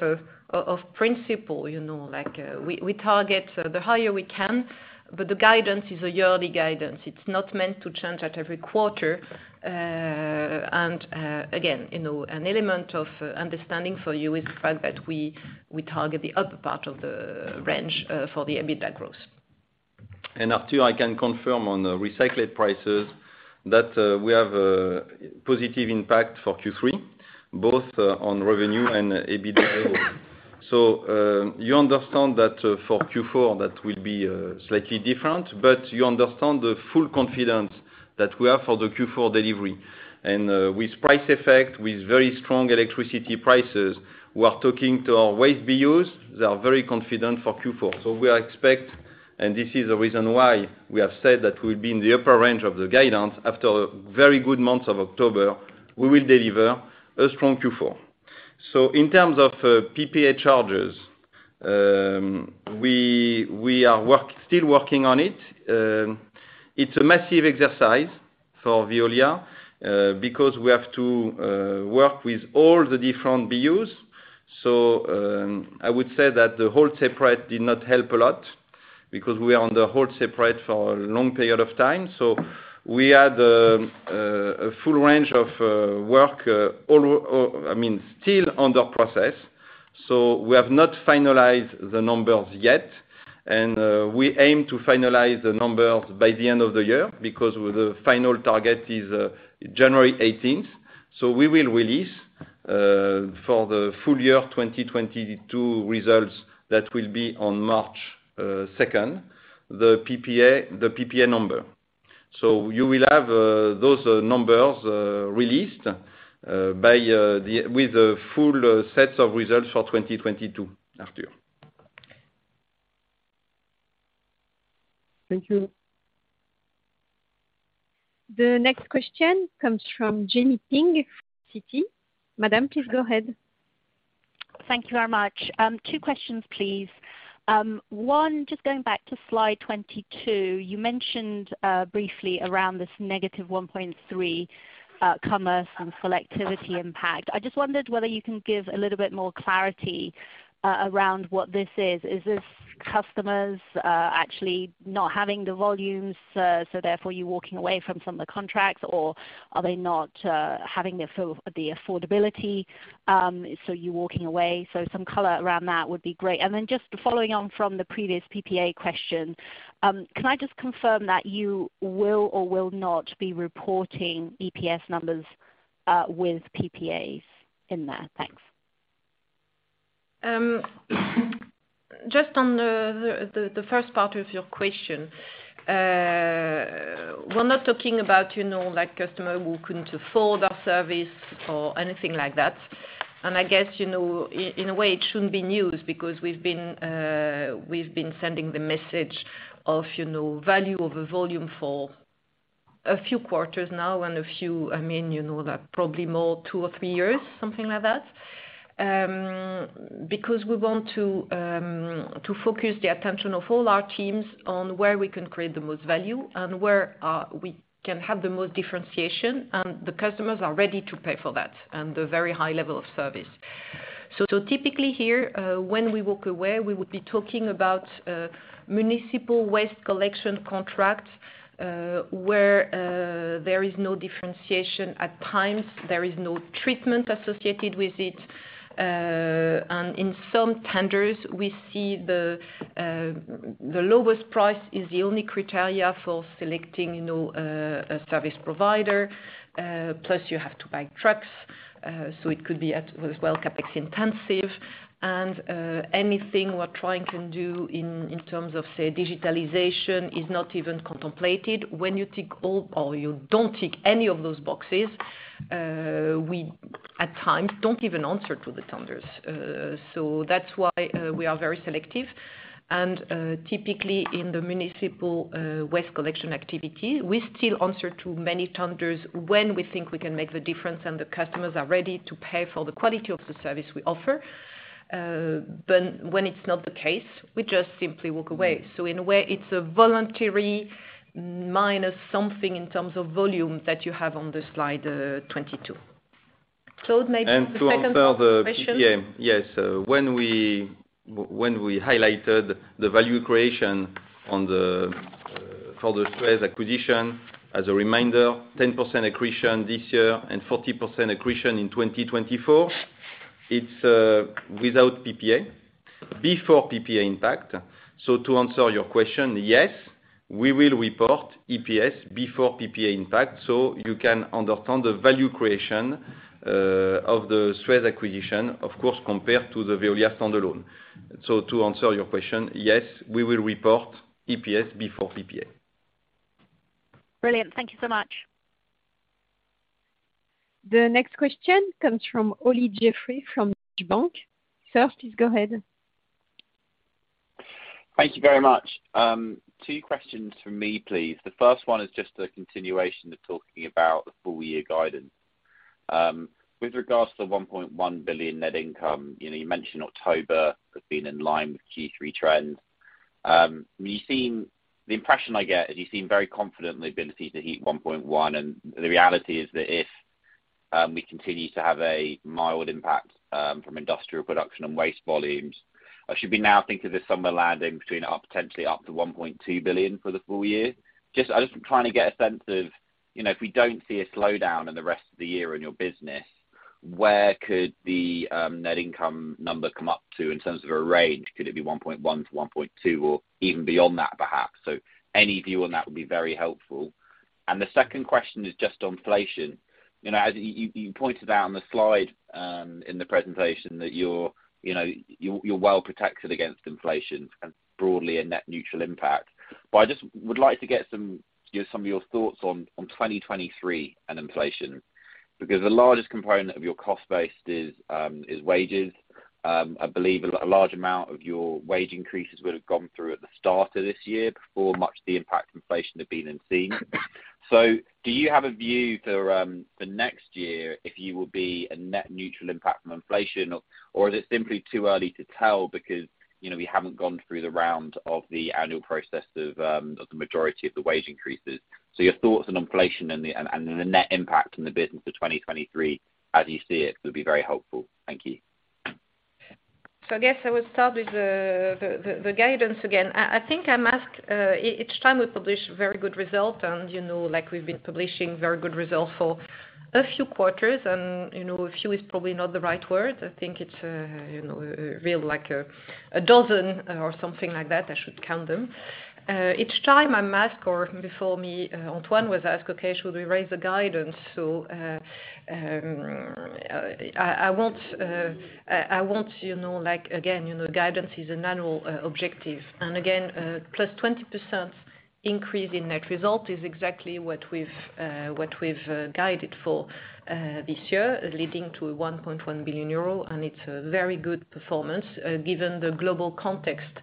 of principle, you know, like, we target the higher we can, but the guidance is a yearly guidance. It's not meant to change at every quarter. Again, you know, an element of understanding for you is the fact that we target the upper part of the range for the EBITDA growth. Arthur, I can confirm on the recycled prices that we have a positive impact for Q3, both on revenue and EBITDA. You understand that for Q4 that will be slightly different, but you understand the full confidence that we have for the Q4 delivery. With price effect, with very strong electricity prices, we are talking to our Waste BUs, they are very confident for Q4. We expect, and this is the reason why we have said that we'll be in the upper range of the guidance, after a very good month of October, we will deliver a strong Q4. In terms of PPA charges, we are still working on it. It's a massive exercise for Veolia, because we have to work with all the different BUs. I would say that the hold separate did not help a lot because we are on the hold separate for a long period of time. We had a full range of work all, I mean, still under process. We have not finalized the numbers yet. We aim to finalize the numbers by the end of the year because the final target is January 18th. We will release for the full year 2022 results that will be on March second, the PPA number. You will have those numbers released with the full sets of results for 2022, Arthur. Thank you. The next question comes from Jenny Ping, Citi. Madam, please go ahead. Thank you very much. Two questions, please. One, just going back to Slide 22, you mentioned briefly around this -1.3 commercial and selectivity impact. I just wondered whether you can give a little bit more clarity around what this is. Is this customers actually not having the volumes, so therefore you're walking away from some of the contracts? Or are they not having the affordability, so you're walking away? Some color around that would be great. Then just following on from the previous PPA question, can I just confirm that you will or will not be reporting EPS numbers with PPAs in there? Thanks. Just on the first part of your question. We're not talking about, you know, like customer who couldn't afford our service or anything like that. I guess, you know, in a way, it shouldn't be news because we've been sending the message of, you know, value over volume for a few quarters now and a few, I mean, you know, like probably more two or three years, something like that. Because we want to focus the attention of all our teams on where we can create the most value and where we can have the most differentiation, and the customers are ready to pay for that and the very high level of service. Typically here, when we walk away, we would be talking about municipal waste collection contracts, where there is no differentiation at times, there is no treatment associated with it. In some tenders, we see the lowest price is the only criteria for selecting, you know, a service provider. Plus you have to buy trucks, so it could be as well CapEx intensive. Anything we're trying to do in terms of, say, digitalization is not even contemplated. When you tick all or you don't tick any of those boxes, we at times don't even answer to the tenders. That's why we are very selective. Typically in the municipal waste collection activity, we still answer to many tenders when we think we can make the difference and the customers are ready to pay for the quality of the service we offer. When it's not the case, we just simply walk away. In a way, it's a voluntary minus something in terms of volume that you have on the Slide, 22. Claude, maybe the second part of the question. To answer the PPA. Yes. When we highlighted the value creation for the SUEZ acquisition, as a reminder, 10% accretion this year and 40% accretion in 2024, it's without PPA, before PPA impact. To answer your question, yes, we will report EPS before PPA impact, so you can understand the value creation of the SUEZ acquisition, of course, compared to the Veolia standalone. To answer your question, yes, we will report EPS before PPA. Brilliant. Thank you so much. The next question comes from Olly Jeffery from Deutsche Bank. Sir, please go ahead. Thank you very much. Two questions from me, please. The first one is just a continuation of talking about the full year guidance. With regards to the 1.1 billion net income, you know, you mentioned October has been in line with Q3 trends. The impression I get is you seem very confident in the ability to hit 1.1 billion, and the reality is that if we continue to have a mild impact from industrial production and waste volumes, or should we now think of this somewhere landing between or potentially up to 1.2 billion for the full year? Just, I'm just trying to get a sense of, you know, if we don't see a slowdown in the rest of the year in your business, where could the net income number come up to in terms of a range? Could it be 1.1 billion-1.2 billion, or even beyond that perhaps? Any view on that would be very helpful. The second question is just on inflation. You know, as you pointed out on the slide, in the presentation that you're, you know, you're well protected against inflation and broadly a net neutral impact. I just would like to get some, you know, some of your thoughts on 2023 and inflation. Because the largest component of your cost base is wages. I believe a large amount of your wage increases would have gone through at the start of this year before much of the impact of inflation had been seen. Do you have a view for next year if you will be a net neutral impact from inflation or is it simply too early to tell because, you know, we haven't gone through the round of the annual process of the majority of the wage increases? Your thoughts on inflation and the net impact on the business for 2023 as you see it would be very helpful. Thank you. I guess I will start with the guidance again. I think I'm asked each time we publish very good result and, you know, like we've been publishing very good results for a few quarters, and, you know, a few is probably not the right word. I think it's, you know, real like a dozen or something like that. I should count them. Each time I'm asked or before me, Antoine was asked, "Okay, should we raise the guidance?" I won't, you know. Like, again, you know, guidance is an annual objective. Again, +20% increase in net result is exactly what we've guided for this year, leading to 1.1 billion euro, and it's a very good performance given the global context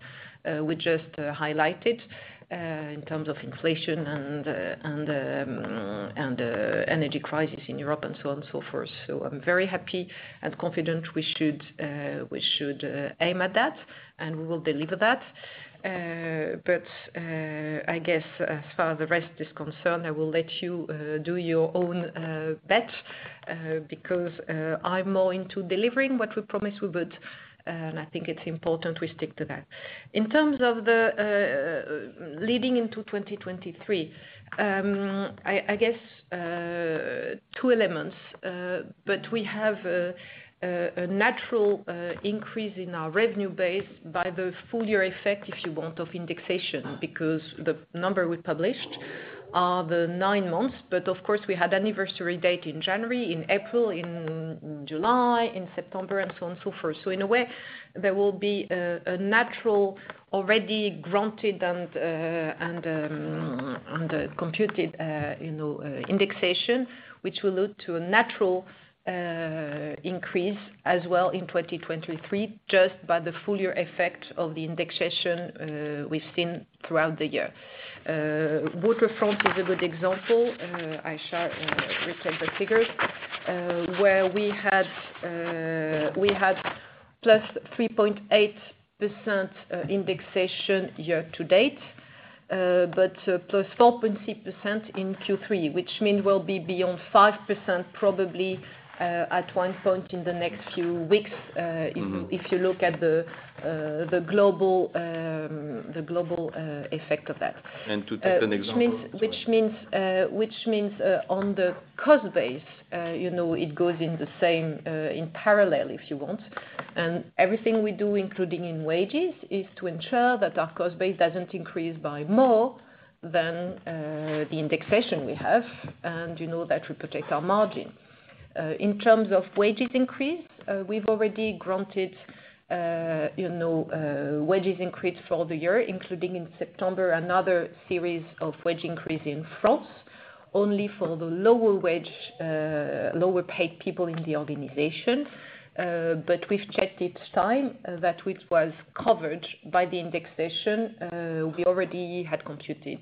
we just highlighted in terms of inflation and energy crisis in Europe and so on and so forth. I'm very happy and confident we should aim at that, and we will deliver that. I guess as far as the rest is concerned, I will let you do your own bet because I'm more into delivering what we promised we would, and I think it's important we stick to that. In terms of leading into 2023, I guess two elements. We have a natural increase in our revenue base by the full year effect, if you want, of indexation, because the numbers we published are for the nine months, but of course we had anniversary dates in January, in April, in July, in September, and so on and so forth. In a way, there will be a natural already granted and computed, you know, indexation, which will lead to a natural increase as well in 2023 just by the full year effect of the indexation we've seen throughout the year. Water in France is a good example. I replay the figures where we had +3.8% indexation year to date, but +4.6% in Q3, which mean we'll be beyond 5% probably at one point in the next few weeks. Mm-hmm. If you look at the global effect of that. To take an example. Which means, on the cost base, you know, it goes in the same, in parallel, if you want. Everything we do, including in wages, is to ensure that our cost base doesn't increase by more than the indexation we have, and, you know, that we protect our margin. In terms of wages increase, we've already granted, you know, wages increase for the year, including in September, another series of wage increase in France only for the lower wage, lower paid people in the organization. But we've checked each time that it was covered by the indexation we already had computed.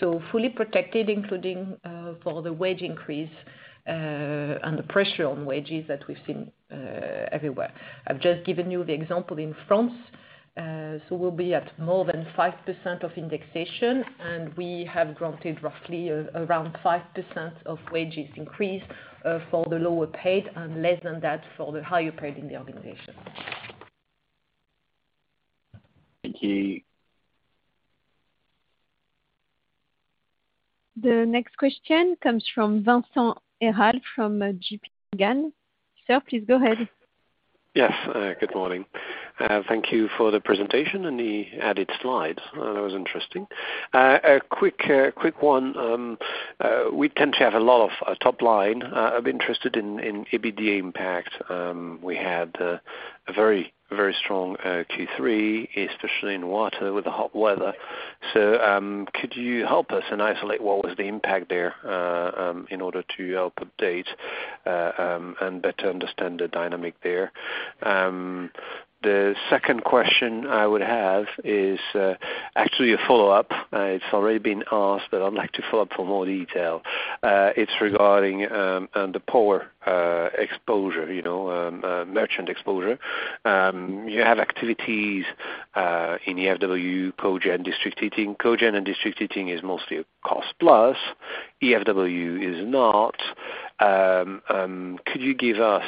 Fully protected, including for the wage increase, and the pressure on wages that we've seen everywhere. I've just given you the example in France. We'll be at more than 5% of indexation, and we have granted roughly around 5% of wages increase for the lower paid and less than that for the higher paid in the organization. Thank you. The next question comes from Vincent Ayral from J.P. Morgan. Sir, please go ahead. Yes. Good morning. Thank you for the presentation and the added slides. That was interesting. A quick one. We tend to have a lot of top line. I'm interested in EBITDA impact. We had a very strong Q3, especially in water with the hot weather. Could you help us and isolate what was the impact there in order to help update and better understand the dynamic there? The second question I would have is actually a follow-up. It's already been asked, but I'd like to follow up for more detail. It's regarding the power exposure, you know, merchant exposure. You have activities in the EFW, cogen, district heating. Cogeneration and district heating is mostly a cost plus, EFW is not. Could you give us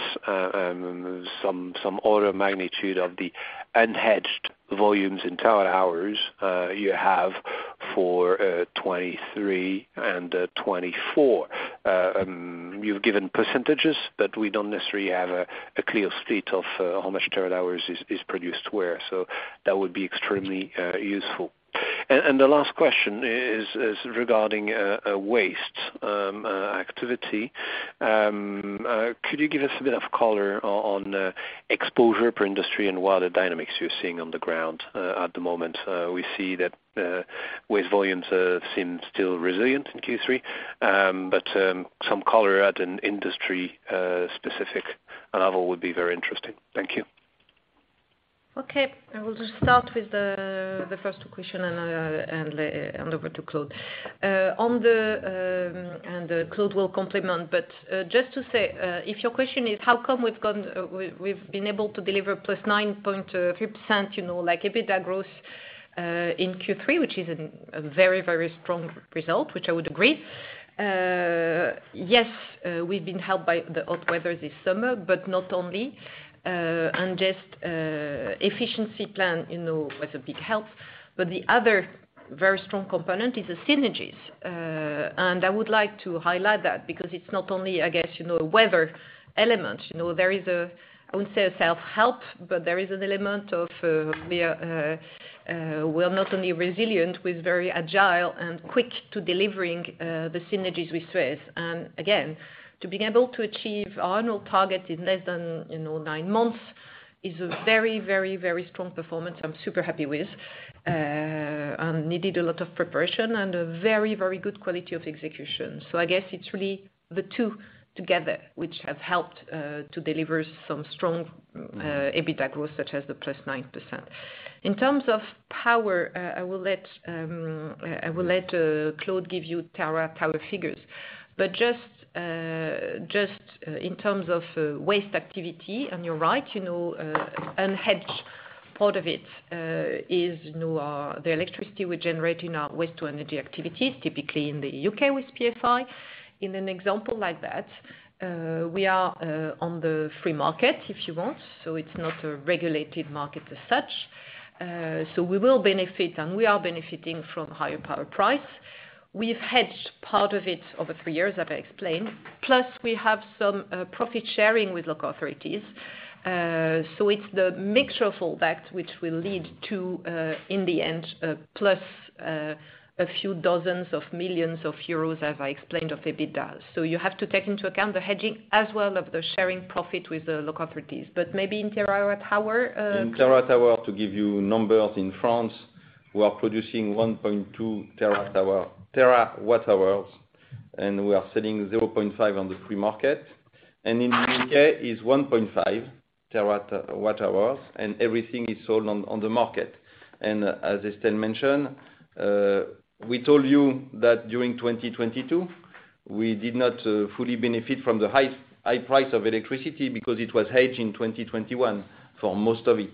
some order of magnitude of the unhedged volumes and terawatt-hours you have for 2023 and 2024? You've given percentages, but we don't necessarily have a clear state of how much terawatt-hours is produced where. So that would be extremely useful. The last question is regarding waste activity. Could you give us a bit of color on exposure per industry and what are the dynamics you're seeing on the ground at the moment? We see that Waste volumes seem still resilient in Q3. Some color at an industry specific level would be very interesting. Thank you. Okay. I will just start with the first question and over to Claude. Claude will complement, but just to say, if your question is how come we've been able to deliver +9.3%, you know, like, EBITDA growth in Q3, which is a very, very strong result, which I would agree. Yes, we've been helped by the hot weather this summer, but not only. Efficiency plan, you know, was a big help. But the other very strong component is the synergies. I would like to highlight that because it's not only, I guess, you know, a weather element. You know, I wouldn't say a self-help, but there is an element of we are not only resilient, we're very agile and quick to delivering the synergies we stressed. Again, to being able to achieve our annual target in less than nine months is a very strong performance I'm super happy with and needed a lot of preparation and a very good quality of execution. I guess it's really the two together which have helped to deliver some strong EBITDA growth such as the +9%. In terms of power, I will let Claude give you terawatt-hour figures. Just in terms of waste activity, and you're right, you know, unhedged part of it is, you know, the electricity we generate in our waste-to-energy activities, typically in the U.K. with PFI. In an example like that, we are on the free market, if you want, so it's not a regulated market as such. We will benefit, and we are benefiting from higher power prices. We've hedged part of it over three years, as I explained, plus we have some profit sharing with local authorities. It's the mixture of all that which will lead to, in the end, plus a few dozens of million of Euros, as I explained, of EBITDA. You have to take into account the hedging as well as the profit sharing with the local authorities. Maybe in terawatt-hour. In terawatt hours, to give you numbers in France, we are producing 1.2 TWh, and we are selling 0.5 TWh on the free market. In the U.K. is 1.5 TWh, and everything is sold on the market. As Estelle mentioned, we told you that during 2022, we did not fully benefit from the high price of electricity because it was hedged in 2021 for most of it.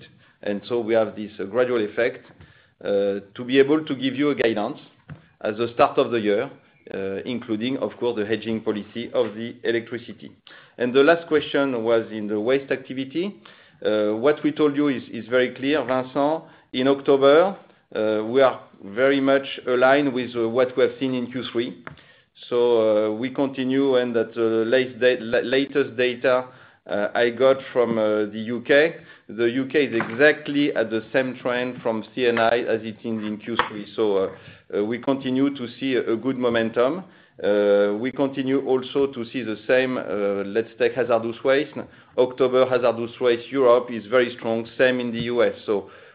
We have this gradual effect to be able to give you a guidance at the start of the year, including, of course, the hedging policy of the electricity. The last question was in the waste activity. What we told you is very clear, Vincent. In October, we are very much aligned with what we have seen in Q3. We continue and at latest data I got from the U.K., the U.K. is exactly at the same trend from C&I as it ended in Q3. We continue to see a good momentum. We continue also to see the same, let's take hazardous waste. October hazardous waste Europe is very strong, same in the U.S.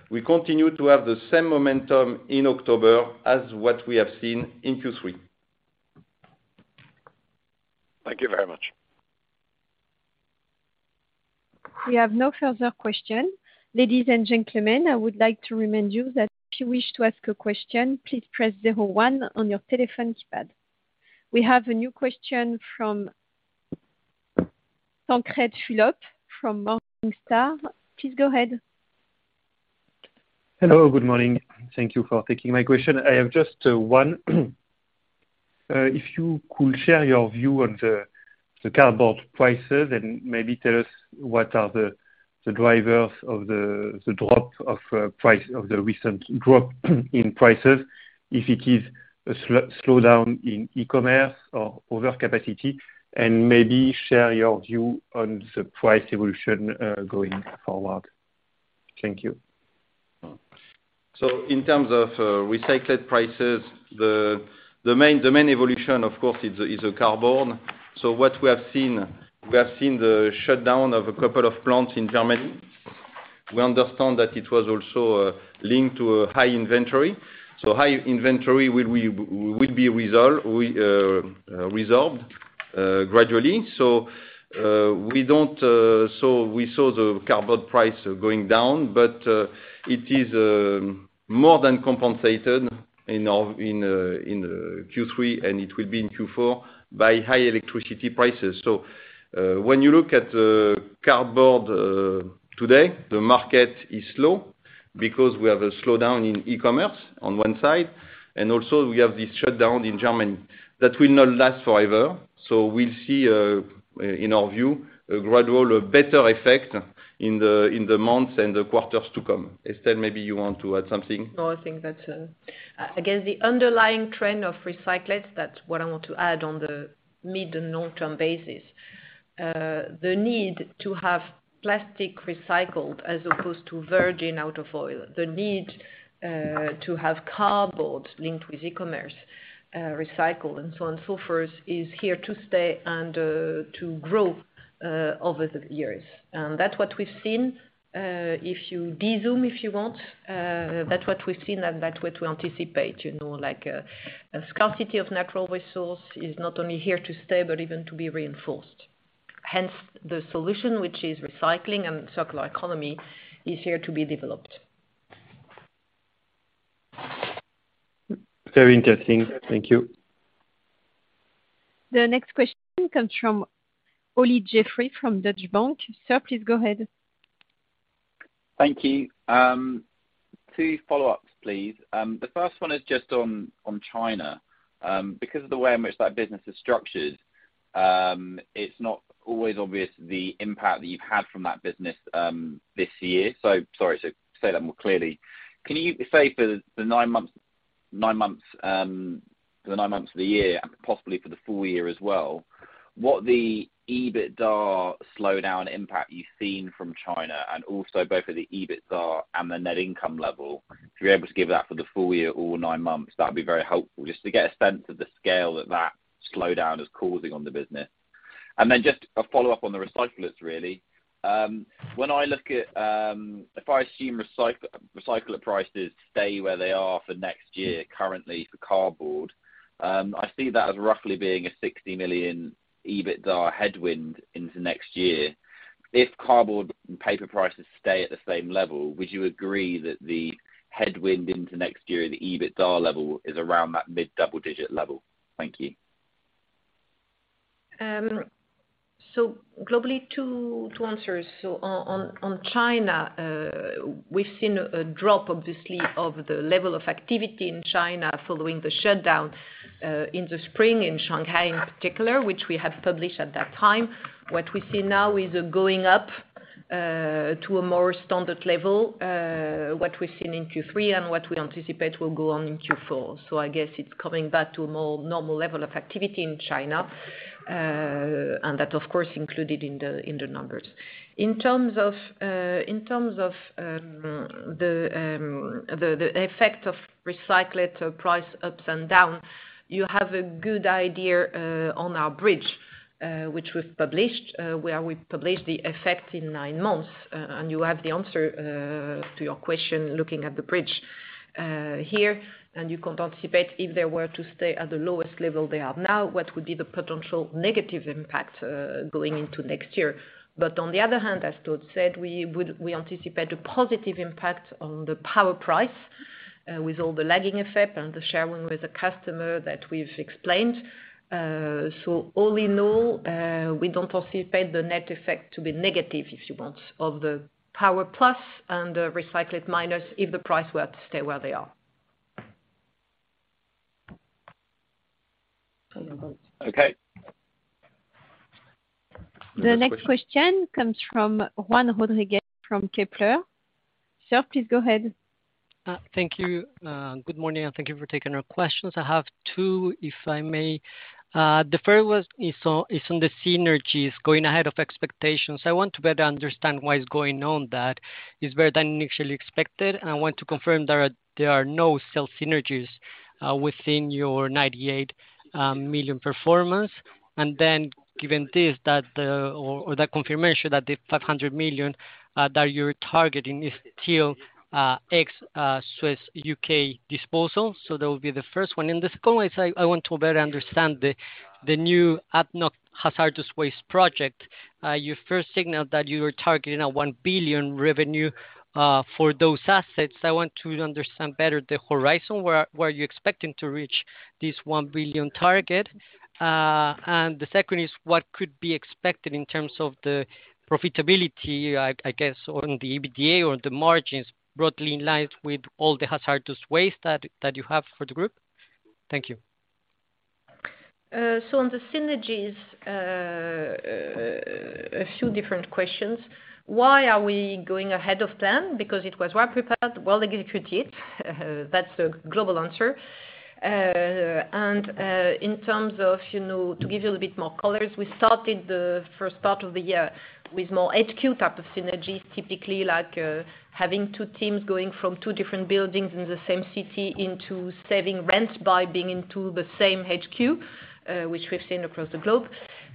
We continue to have the same momentum in October as what we have seen in Q3. Thank you very much. We have no further question. Ladies and gentlemen, I would like to remind you that if you wish to ask a question, please press zero one on your telephone keypad. We have a new question from Tancrède Fulop from Morningstar. Please go ahead. Hello, good morning. Thank you for taking my question. I have just one. If you could share your view on the cardboard prices and maybe tell us what are the drivers of the recent drop in prices, if it is a slowdown in e-commerce or overcapacity, and maybe share your view on the price evolution going forward. Thank you. In terms of recycled prices, the main evolution of course is the cardboard. What we have seen is the shutdown of a couple of plants in Germany. We understand that it was also linked to a high inventory. High inventory will be resolved gradually. We saw the cardboard price going down, but it is more than compensated in Q3 and it will be in Q4 by high electricity prices. When you look at the cardboard today, the market is slow because we have a slowdown in e-commerce on one side, and also we have this shutdown in Germany that will not last forever. We'll see, in our view, a gradual better effect in the months and the quarters to come. Estelle, maybe you want to add something. No, I think that's again, the underlying trend of recyclates, that's what I want to add on the mid and long-term basis. The need to have plastic recycled as opposed to virgin out of oil, the need to have cardboard linked with e-commerce, recycled and so on and so forth is here to stay and to grow over the years. That's what we've seen. If you de-zoom, if you want, that's what we've seen and that's what we anticipate, you know. Like, a scarcity of natural resource is not only here to stay, but even to be reinforced. Hence, the solution, which is recycling and circular economy is here to be developed. Very interesting. Thank you. The next question comes from Olly Jeffery from Deutsche Bank. Sir, please go ahead. Thank you. Two follow-ups, please. The first one is just on China. Because of the way in which that business is structured, it's not always obvious the impact that you've had from that business this year. Sorry to say that more clearly. Can you say for the nine months of the year, and possibly for the full year as well, what the EBITDA slowdown impact you've seen from China and also both at the EBITDA and the net income level? If you're able to give that for the full year or nine months, that'd be very helpful just to get a sense of the scale that that slowdown is causing on the business. Then just a follow-up on the recyclers, really. When I look at. If I assume recycle, recycler prices stay where they are for next year, currently for cardboard, I see that as roughly being a 60 million EBITDA headwind into next year. If cardboard and paper prices stay at the same level, would you agree that the headwind into next year at the EBITDA level is around that mid-double-digit level? Thank you. Globally, two answers. On China, we've seen a drop obviously of the level of activity in China following the shutdown in the spring, in Shanghai in particular, which we have published at that time. What we see now is a going up to a more standard level, what we've seen in Q3 and what we anticipate will go on in Q4. I guess it's coming back to a more normal level of activity in China. And that, of course, included in the numbers. In terms of the effect of recyclates price ups and down, you have a good idea on our bridge, which we've published, where we published the effect in nine months. You have the answer to your question looking at the bridge here. You can anticipate if they were to stay at the lowest level they are now, what would be the potential negative impact going into next year. On the other hand, as Claude said, we anticipate a positive impact on the power price with all the lagging effect and the sharing with the customer that we've explained. All in all, we don't anticipate the net effect to be negative, if you want, of the power plus and the recyclate minus if the price were to stay where they are. Okay. The next question comes from Juan Rodriguez from Kepler. Sir, please go ahead. Thank you. Good morning, and thank you for taking our questions. I have two, if I may. The first one is on the synergies going ahead of expectations. I want to better understand what is going on that is better than initially expected. I want to confirm there are no sales synergies within your 98 million performance. Given this or that confirmation that the 500 million that you're targeting is still ex-Suez U.K. disposal. That would be the first one. The second one is I want to better understand the new ADNOC hazardous waste project. You first signaled that you were targeting a 1 billion revenue for those assets. I want to understand better the horizon, where you're expecting to reach this 1 billion target. The second is what could be expected in terms of the profitability, I guess, on the EBITDA or the margins broadly in line with all the hazardous waste that you have for the group. Thank you. On the synergies, a few different questions. Why are we going ahead of plan? Because it was well prepared, well executed. That's the global answer. In terms of, you know, to give you a bit more color, we started the first part of the year with more HQ type of synergies, typically like, having two teams going from two different buildings in the same city into saving rent by being into the same HQ, which we've seen across the globe.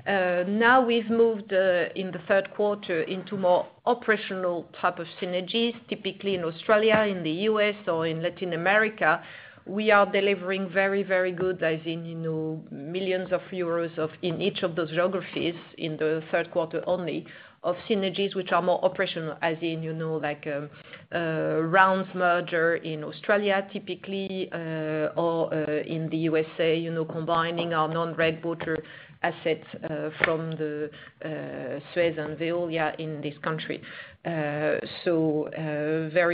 Now we've moved, in the third quarter into more operational type of synergies, typically in Australia, in the U.S. or in Latin America. We are delivering very, very good, as in, you know, millions of Euros of, in each of those geographies in the third quarter only of synergies which are more operational, as in, you know, like, Suez merger in Australia typically, or, in the U.S.A., you know, combining our non-regulated water assets from the Suez and Veolia in this country. Very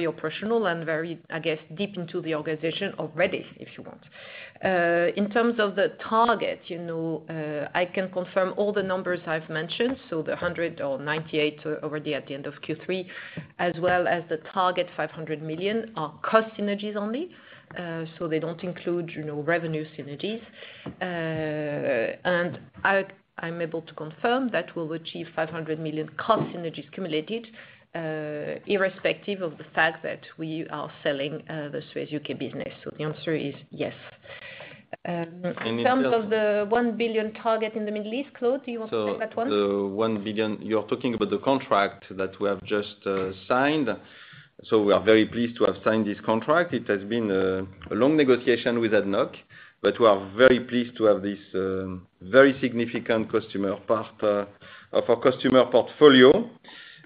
operational and very, I guess, deep into the organization already, if you want. In terms of the target, you know, I can confirm all the numbers I've mentioned, so the 198 already at the end of Q3, as well as the target 500 million are cost synergies only. They don't include, you know, revenue synergies. I'm able to confirm that we'll achieve 500 million cost synergies accumulated, irrespective of the fact that we are selling the Suez U.K. Business. The answer is yes. In terms of- In terms of the 1 billion target in the Middle East, Claude, do you want to take that one? The 1 billion, you're talking about the contract that we have just signed. We are very pleased to have signed this contract. It has been a long negotiation with ADNOC, but we are very pleased to have this very significant customer, part of our customer portfolio.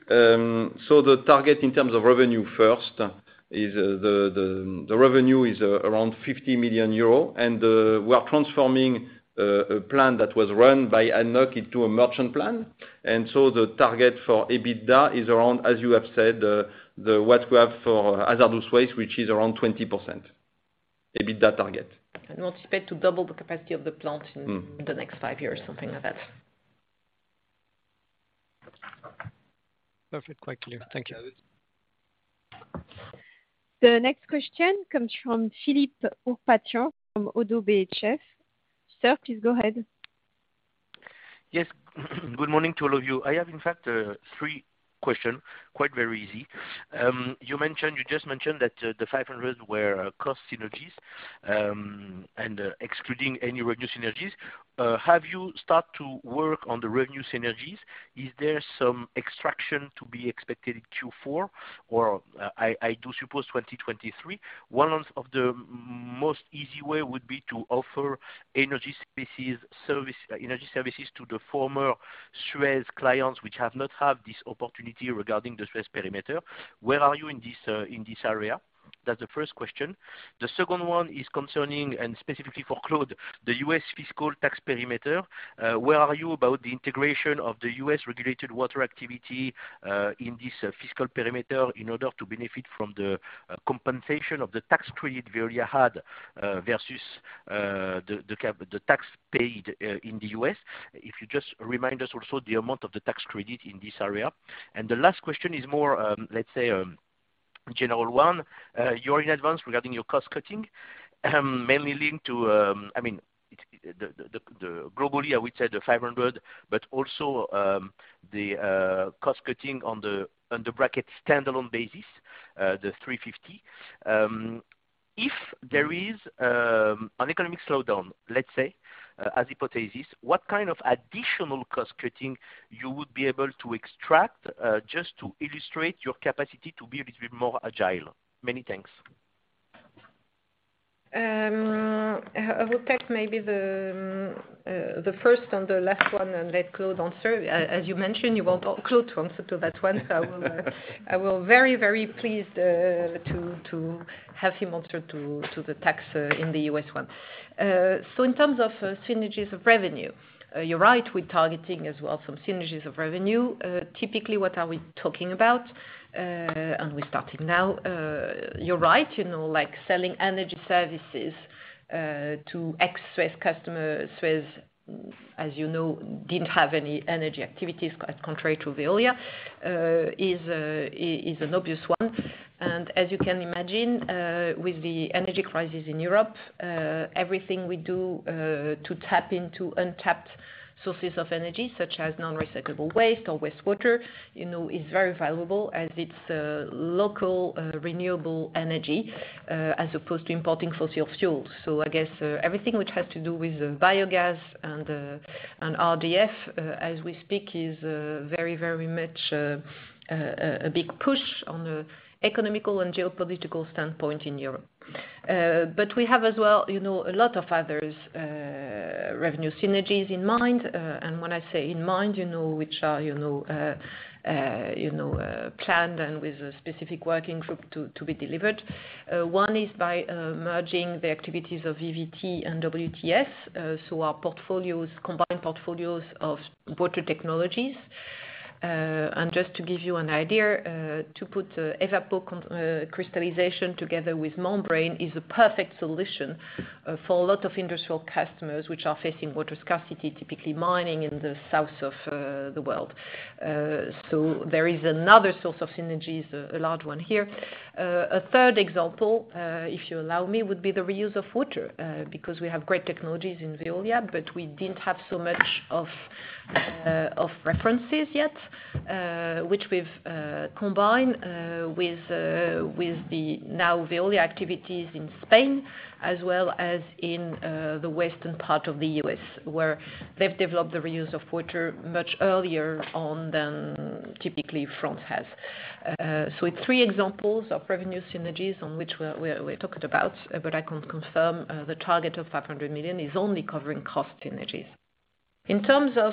The target in terms of revenue first is the revenue is around 50 million euros. We are transforming a plant that was run by ADNOC into a merchant plant. The target for EBITDA is around, as you have said, what we have for hazardous waste, which is around 20% EBITDA target. We expect to double the capacity of the plant. Mm. the next five years, something like that. Perfect. Quite clear. Thank you. The next question comes from Philippe Ourpatian from Oddo BHF. Sir, please go ahead. Yes. Good morning to all of you. I have in fact three question, quite very easy. You just mentioned that the 500 million were cost synergies, and excluding any revenue synergies. Have you start to work on the revenue synergies? Is there some traction to be expected in Q4, or I do suppose 2023. One of the most easy way would be to offer energy services to the former Suez clients, which have not had this opportunity regarding the Suez perimeter. Where are you in this area? That's the first question. The second one is concerning, and specifically for Claude, the U.S. fiscal tax perimeter. Where are you about the integration of the U.S. regulated water activity in this fiscal perimeter in order to benefit from the compensation of the tax credit Veolia had versus the cash tax paid in the U.S. If you just remind us also the amount of the tax credit in this area. The last question is more, let's say, general one. You are in advance regarding your cost cutting mainly linked to, I mean, the globally, I would say the 500 million, but also the cost cutting on the Suez standalone basis, the 350 million. If there is an economic slowdown, let's say, as hypothesis, what kind of additional cost cutting you would be able to extract, just to illustrate your capacity to be a little bit more agile. Many thanks. I will take maybe the first and the last one, and let Claude answer. As you mentioned, you want Claude to answer to that one. I will very pleased to have him answer to the tax in the U.S. one. In terms of synergies of revenue, you're right, we're targeting as well some synergies of revenue. Typically, what are we talking about? We're starting now. You're right, you know, like selling energy services to ex-SUEZ customers. SUEZ, as you know, didn't have any energy activities as contrary to Veolia, is an obvious one. As you can imagine, with the energy crisis in Europe, everything we do to tap into untapped sources of energy, such as non-recyclable waste or wastewater, you know, is very valuable as it's local, renewable energy as opposed to importing fossil fuels. I guess everything which has to do with biogas and RDF, as we speak, is very, very much a big push on the economic and geopolitical standpoint in Europe. We have as well, you know, a lot of other revenue synergies in mind. When I say in mind, you know, which are, you know, planned and with a specific working group to be delivered. One is by merging the activities of VWT and WTS, so our portfolios, combined portfolios of Water Technologies. Just to give you an idea, to put evaporation-crystallization together with membrane is a perfect solution, for a lot of industrial customers which are facing water scarcity, typically mining in the south of the world. There is another source of synergies, a large one here. A third example, if you allow me, would be the reuse of water, because we have great technologies in Veolia, but we didn't have so much of references yet, which we've combined, with the now Veolia activities in Spain as well as in the western part of the U.S., where they've developed the reuse of water much earlier on than typically France has. It's three examples of revenue synergies on which we're talking about, but I can confirm the target of 500 million is only covering cost synergies. In terms of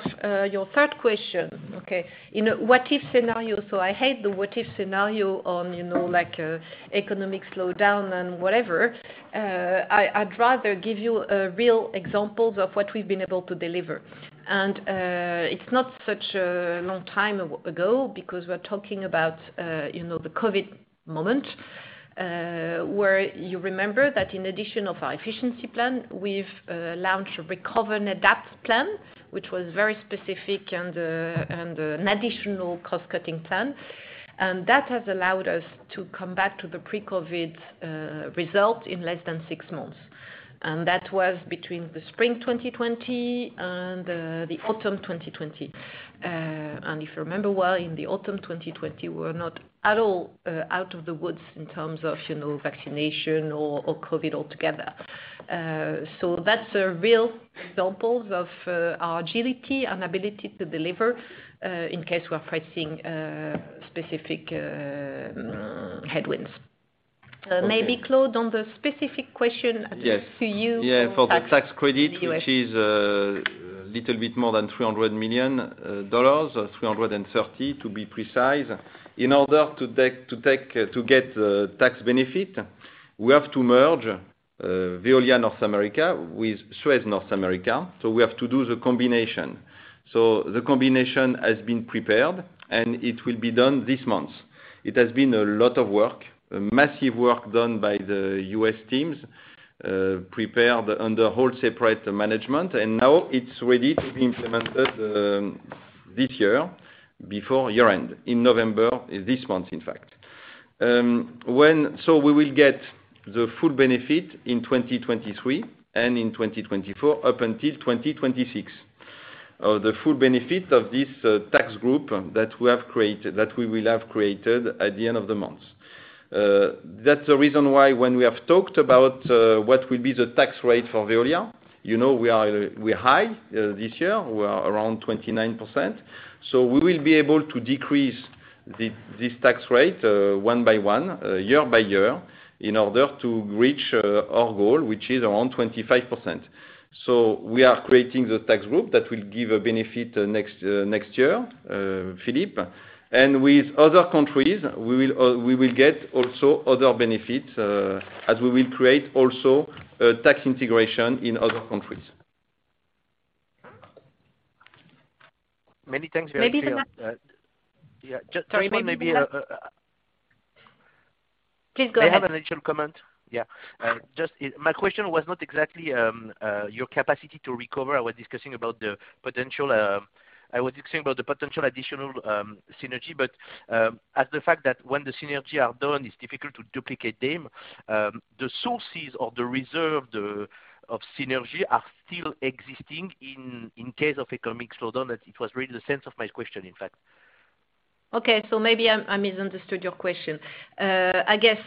your third question, okay. In a what if scenario, I hate the what if scenario on, you know, like an economic slowdown and whatever. I'd rather give you real examples of what we've been able to deliver. It's not such a long time ago, because we're talking about, you know, the COVID moment, where you remember that in addition to our efficiency plan, we've launched a Recover and Adapt plan, which was very specific and an additional cost-cutting plan. That has allowed us to come back to the pre-COVID result in less than six months. That was between the spring 2020 and the autumn 2020. If you remember well, in the autumn 2020, we're not at all out of the woods in terms of, you know, vaccination or COVID altogether. That's a real example of our agility and ability to deliver in case we're facing specific headwinds. Okay. Maybe Claude, on the specific question. Yes. to you. Yeah, for the tax credit, which is a little bit more than $300 million, $330 million to be precise. In order to get tax benefit, we have to merge Veolia North America with Suez North America, so we have to do the combination. The combination has been prepared, and it will be done this month. It has been a lot of work, a massive work done by the U.S. teams, prepared under hold separate management, and now it's ready to be implemented this year, before year-end, in November, this month, in fact. We will get the full benefit in 2023 and in 2024, up until 2026. The full benefit of this tax group that we have created, that we will have created at the end of the month. That's the reason why when we have talked about what will be the tax rate for Veolia, you know, we are, we're high this year. We are around 29%. We will be able to decrease this tax rate one by one year by year in order to reach our goal, which is around 25%. We are creating the tax group that will give a benefit next year, Philippe. With other countries, we will get also other benefits as we will create also a tax integration in other countries. Many thanks. Very clear. Maybe we have- Yeah. Just maybe, Please go ahead. May I have an additional comment? Yeah. Just my question was not exactly your capacity to recover. I was discussing about the potential additional synergy. But the fact that when the synergy are done, it's difficult to duplicate them. The sources of the reserve of synergy are still existing in case of economic slowdown. It was really the sense of my question, in fact. Okay. Maybe I misunderstood your question. I guess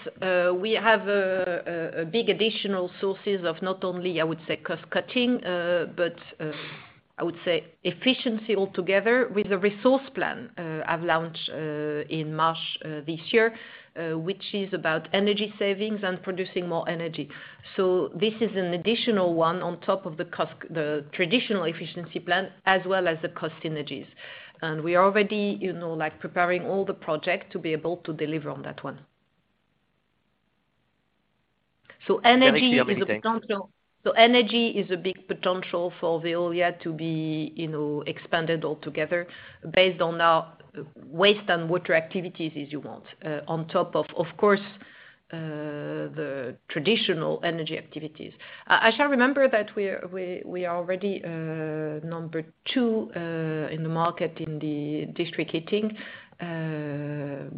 we have a big additional sources of not only I would say cost-cutting, but I would say efficiency altogether with the resource plan I've launched in March this year, which is about energy savings and producing more energy. This is an additional one on top of the traditional efficiency plan, as well as the cost synergies. We are already, you know, like preparing all the projects to be able to deliver on that one. Energy is a potential. Very clear. Many thanks. Energy is a big potential for Veolia to be, you know, expanded altogether based on our Waste and Water activities as you want, on top of course, the traditional energy activities. I shall remember that we are already number two in the market in the district heating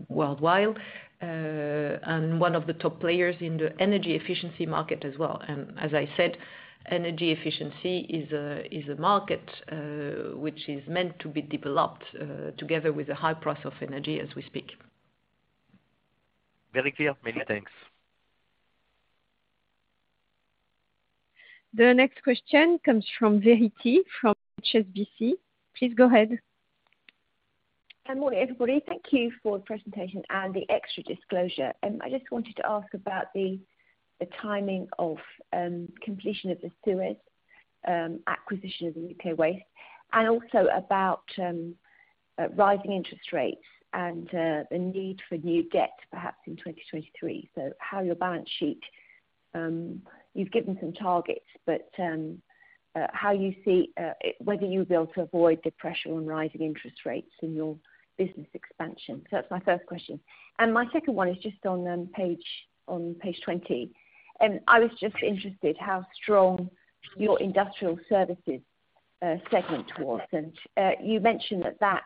worldwide, and one of the top players in the energy efficiency market as well. As I said, energy efficiency is a market which is meant to be developed together with the high price of energy as we speak. Very clear. Many thanks. The next question comes from Verity from HSBC. Please go ahead. Good morning, everybody. Thank you for the presentation and the extra disclosure. I just wanted to ask about the timing of completion of the Suez acquisition of the U.K. waste, and also about rising interest rates and the need for new debt perhaps in 2023. How is your balance sheet. You've given some targets, but how you see whether you'll be able to avoid the pressure on rising interest rates in your business expansion. That's my first question. My second one is just on Page 20. I was just interested how strong your industrial services segment was. You mentioned that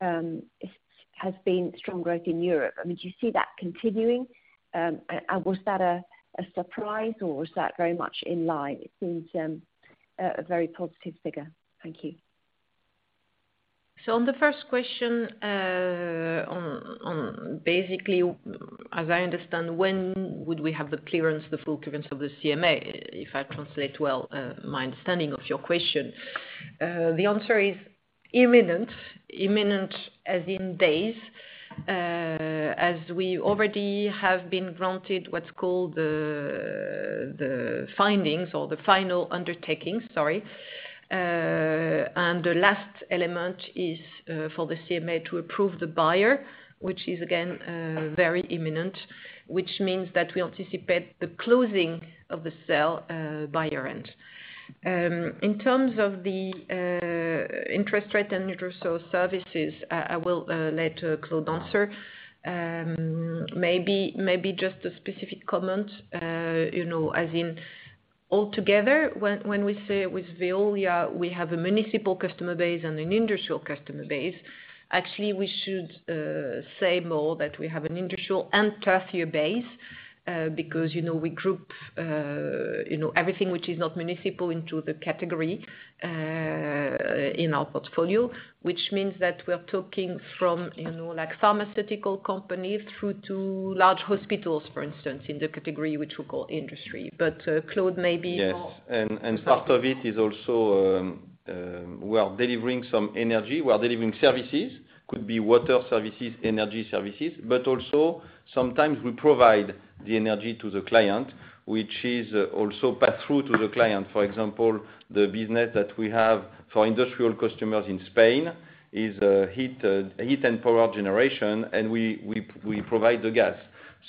has been strong growth in Europe. I mean, do you see that continuing? Was that a surprise or was that very much in line? It seems a very positive figure. Thank you. On the first question, basically, as I understand, when would we have the clearance, the full clearance of the CMA? If I translate well, my understanding of your question. The answer is imminent as in days. As we already have been granted what's called the findings or the final undertaking, sorry. The last element is for the CMA to approve the buyer, which is again very imminent, which means that we anticipate the closing of the sale by year-end. In terms of the interest rate and industrial services, I will let Claude answer. Maybe just a specific comment. You know, as in all together, when we say with Veolia, we have a municipal customer base and an industrial customer base. Actually, we should say more that we have an industrial and tertiary base, because, you know, we group, you know, everything which is not municipal into the category in our portfolio, which means that we're talking from, you know, like pharmaceutical companies through to large hospitals, for instance, in the category which we call industry. Claude, maybe more- Yes. Part of it is also, we are delivering some energy. We are delivering services. Could be water services, energy services, but also sometimes we provide the energy to the client, which is also pass through to the client. For example, the business that we have for industrial customers in Spain is heat and power generation, and we provide the gas.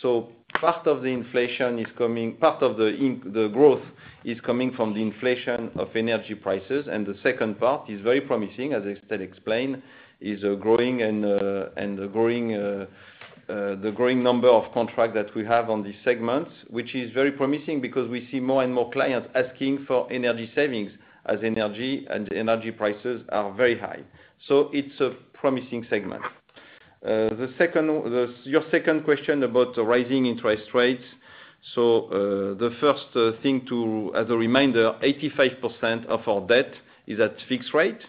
So part of the inflation is coming. Part of the growth is coming from the inflation of energy prices. The second part is very promising, as Estelle explained, is the growing number of contracts that we have on these segments, which is very promising because we see more and more clients asking for energy savings as energy prices are very high. So it's a promising segment. Your second question about rising interest rates. The first thing, as a reminder, 85% of our debt is at fixed rate.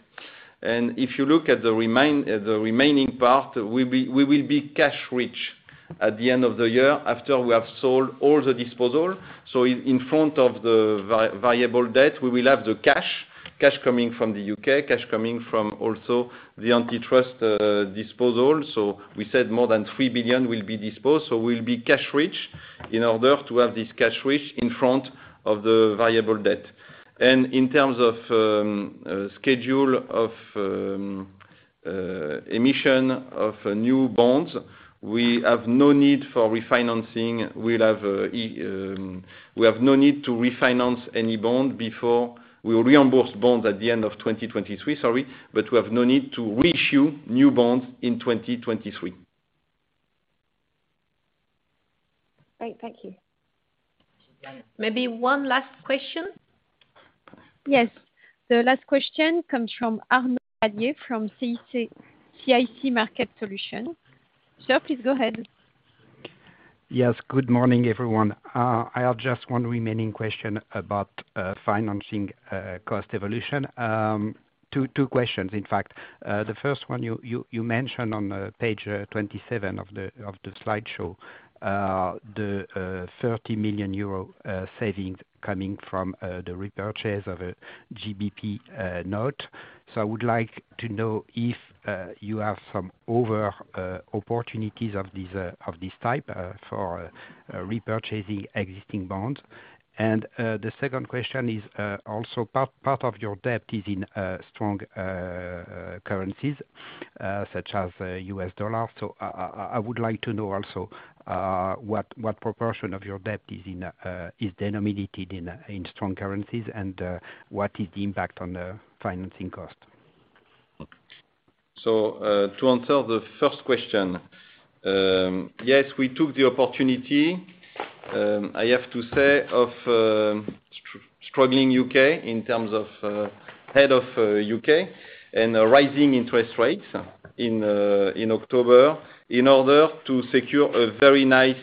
If you look at the remaining part, we will be cash rich at the end of the year after we have sold all the disposal. In front of the variable debt, we will have the cash coming from the U.K., cash coming from also the antitrust disposal. We said more than 3 billion will be disposed, so we'll be cash rich in order to have this cash rich in front of the variable debt. In terms of schedule of emission of new bonds, we have no need for refinancing. We have no need to refinance any bond before we reimburse bonds at the end of 2023, sorry, but we have no need to reissue new bonds in 2023. Great, thank you. Maybe one last question. Yes. The last question comes from Arnaud Palliez from CIC Market Solutions. Sir, please go ahead. Yes, good morning, everyone. I have just one remaining question about financing cost evolution. Two questions, in fact. The first one, you mention on Page 27 of the slideshow, the 30 million euro savings coming from the repurchase of a GBP note. I would like to know if you have some other opportunities of this type for repurchasing existing bonds. The second question is, also part of your debt is in strong currencies such as U.S. dollar. I would like to know also what proportion of your debt is denominated in strong currencies, and what is the impact on the financing cost? To answer the first question, yes, we took the opportunity, I have to say, of struggling U.K. in terms of headwinds in the U.K. and rising interest rates in October in order to secure a very nice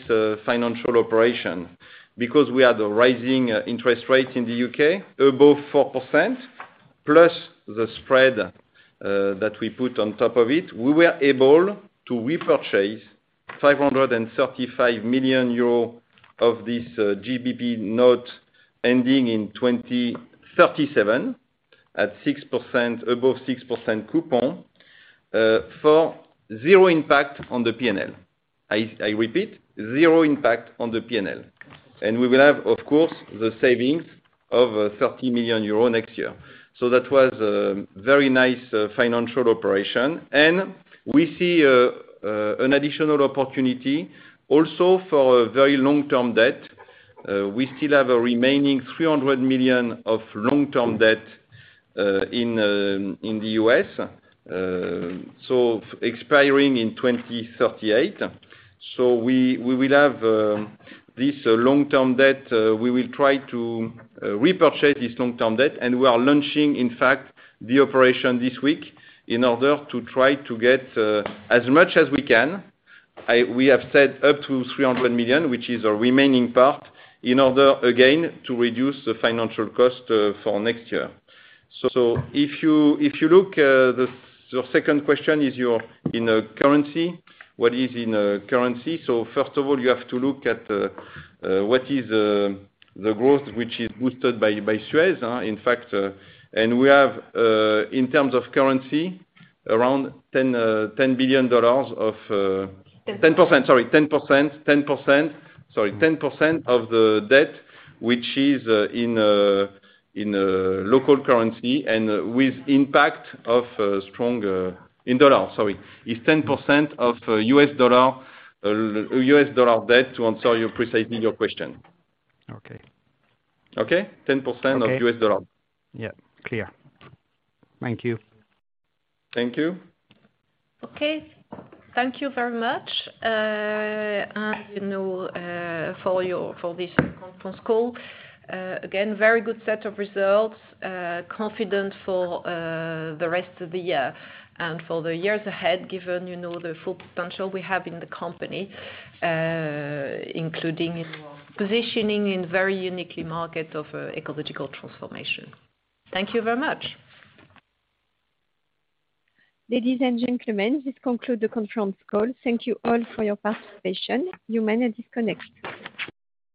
financial operation. Because we had a rising interest rate in the U.K. above 4%, plus the spread that we put on top of it, we were able to repurchase 535 million euro of this GBP note ending in 2037 at 6%, above 6% coupon, for zero impact on the P&L. I repeat, zero impact on the P&L. We will have, of course, the savings of 30 million euros next year. That was a very nice financial operation. We see an additional opportunity also for a very long-term debt. We still have a remaining 300 million of long-term debt in the U.S., expiring in 2038. We will have this long-term debt. We will try to repurchase this long-term debt, and we are launching, in fact, the operation this week in order to try to get as much as we can. We have said up to 300 million, which is our remaining part, in order, again, to reduce the financial cost for next year. If you look, your second question is on currency, what is on currency. First of all, you have to look at what is the growth which is boosted by Suez, in fact. We have, in terms of currency, around $10 billion of, 10%. 10%, sorry. 10% of the debt, which is in a local currency and with impact of strong dollar. In dollar, sorry. It's 10% of U.S. dollar debt, to answer your question precisely. Okay. Okay? 10% of U.S. dollar. Yeah. Clear. Thank you. Thank you. Okay. Thank you very much. You know, for this conference call. Again, very good set of results. Confident for the rest of the year and for the years ahead, given you know, the full potential we have in the company, including positioning in very unique market of ecological transformation. Thank you very much. Ladies and gentlemen, this concludes the conference call. Thank you all for your participation. You may now disconnect.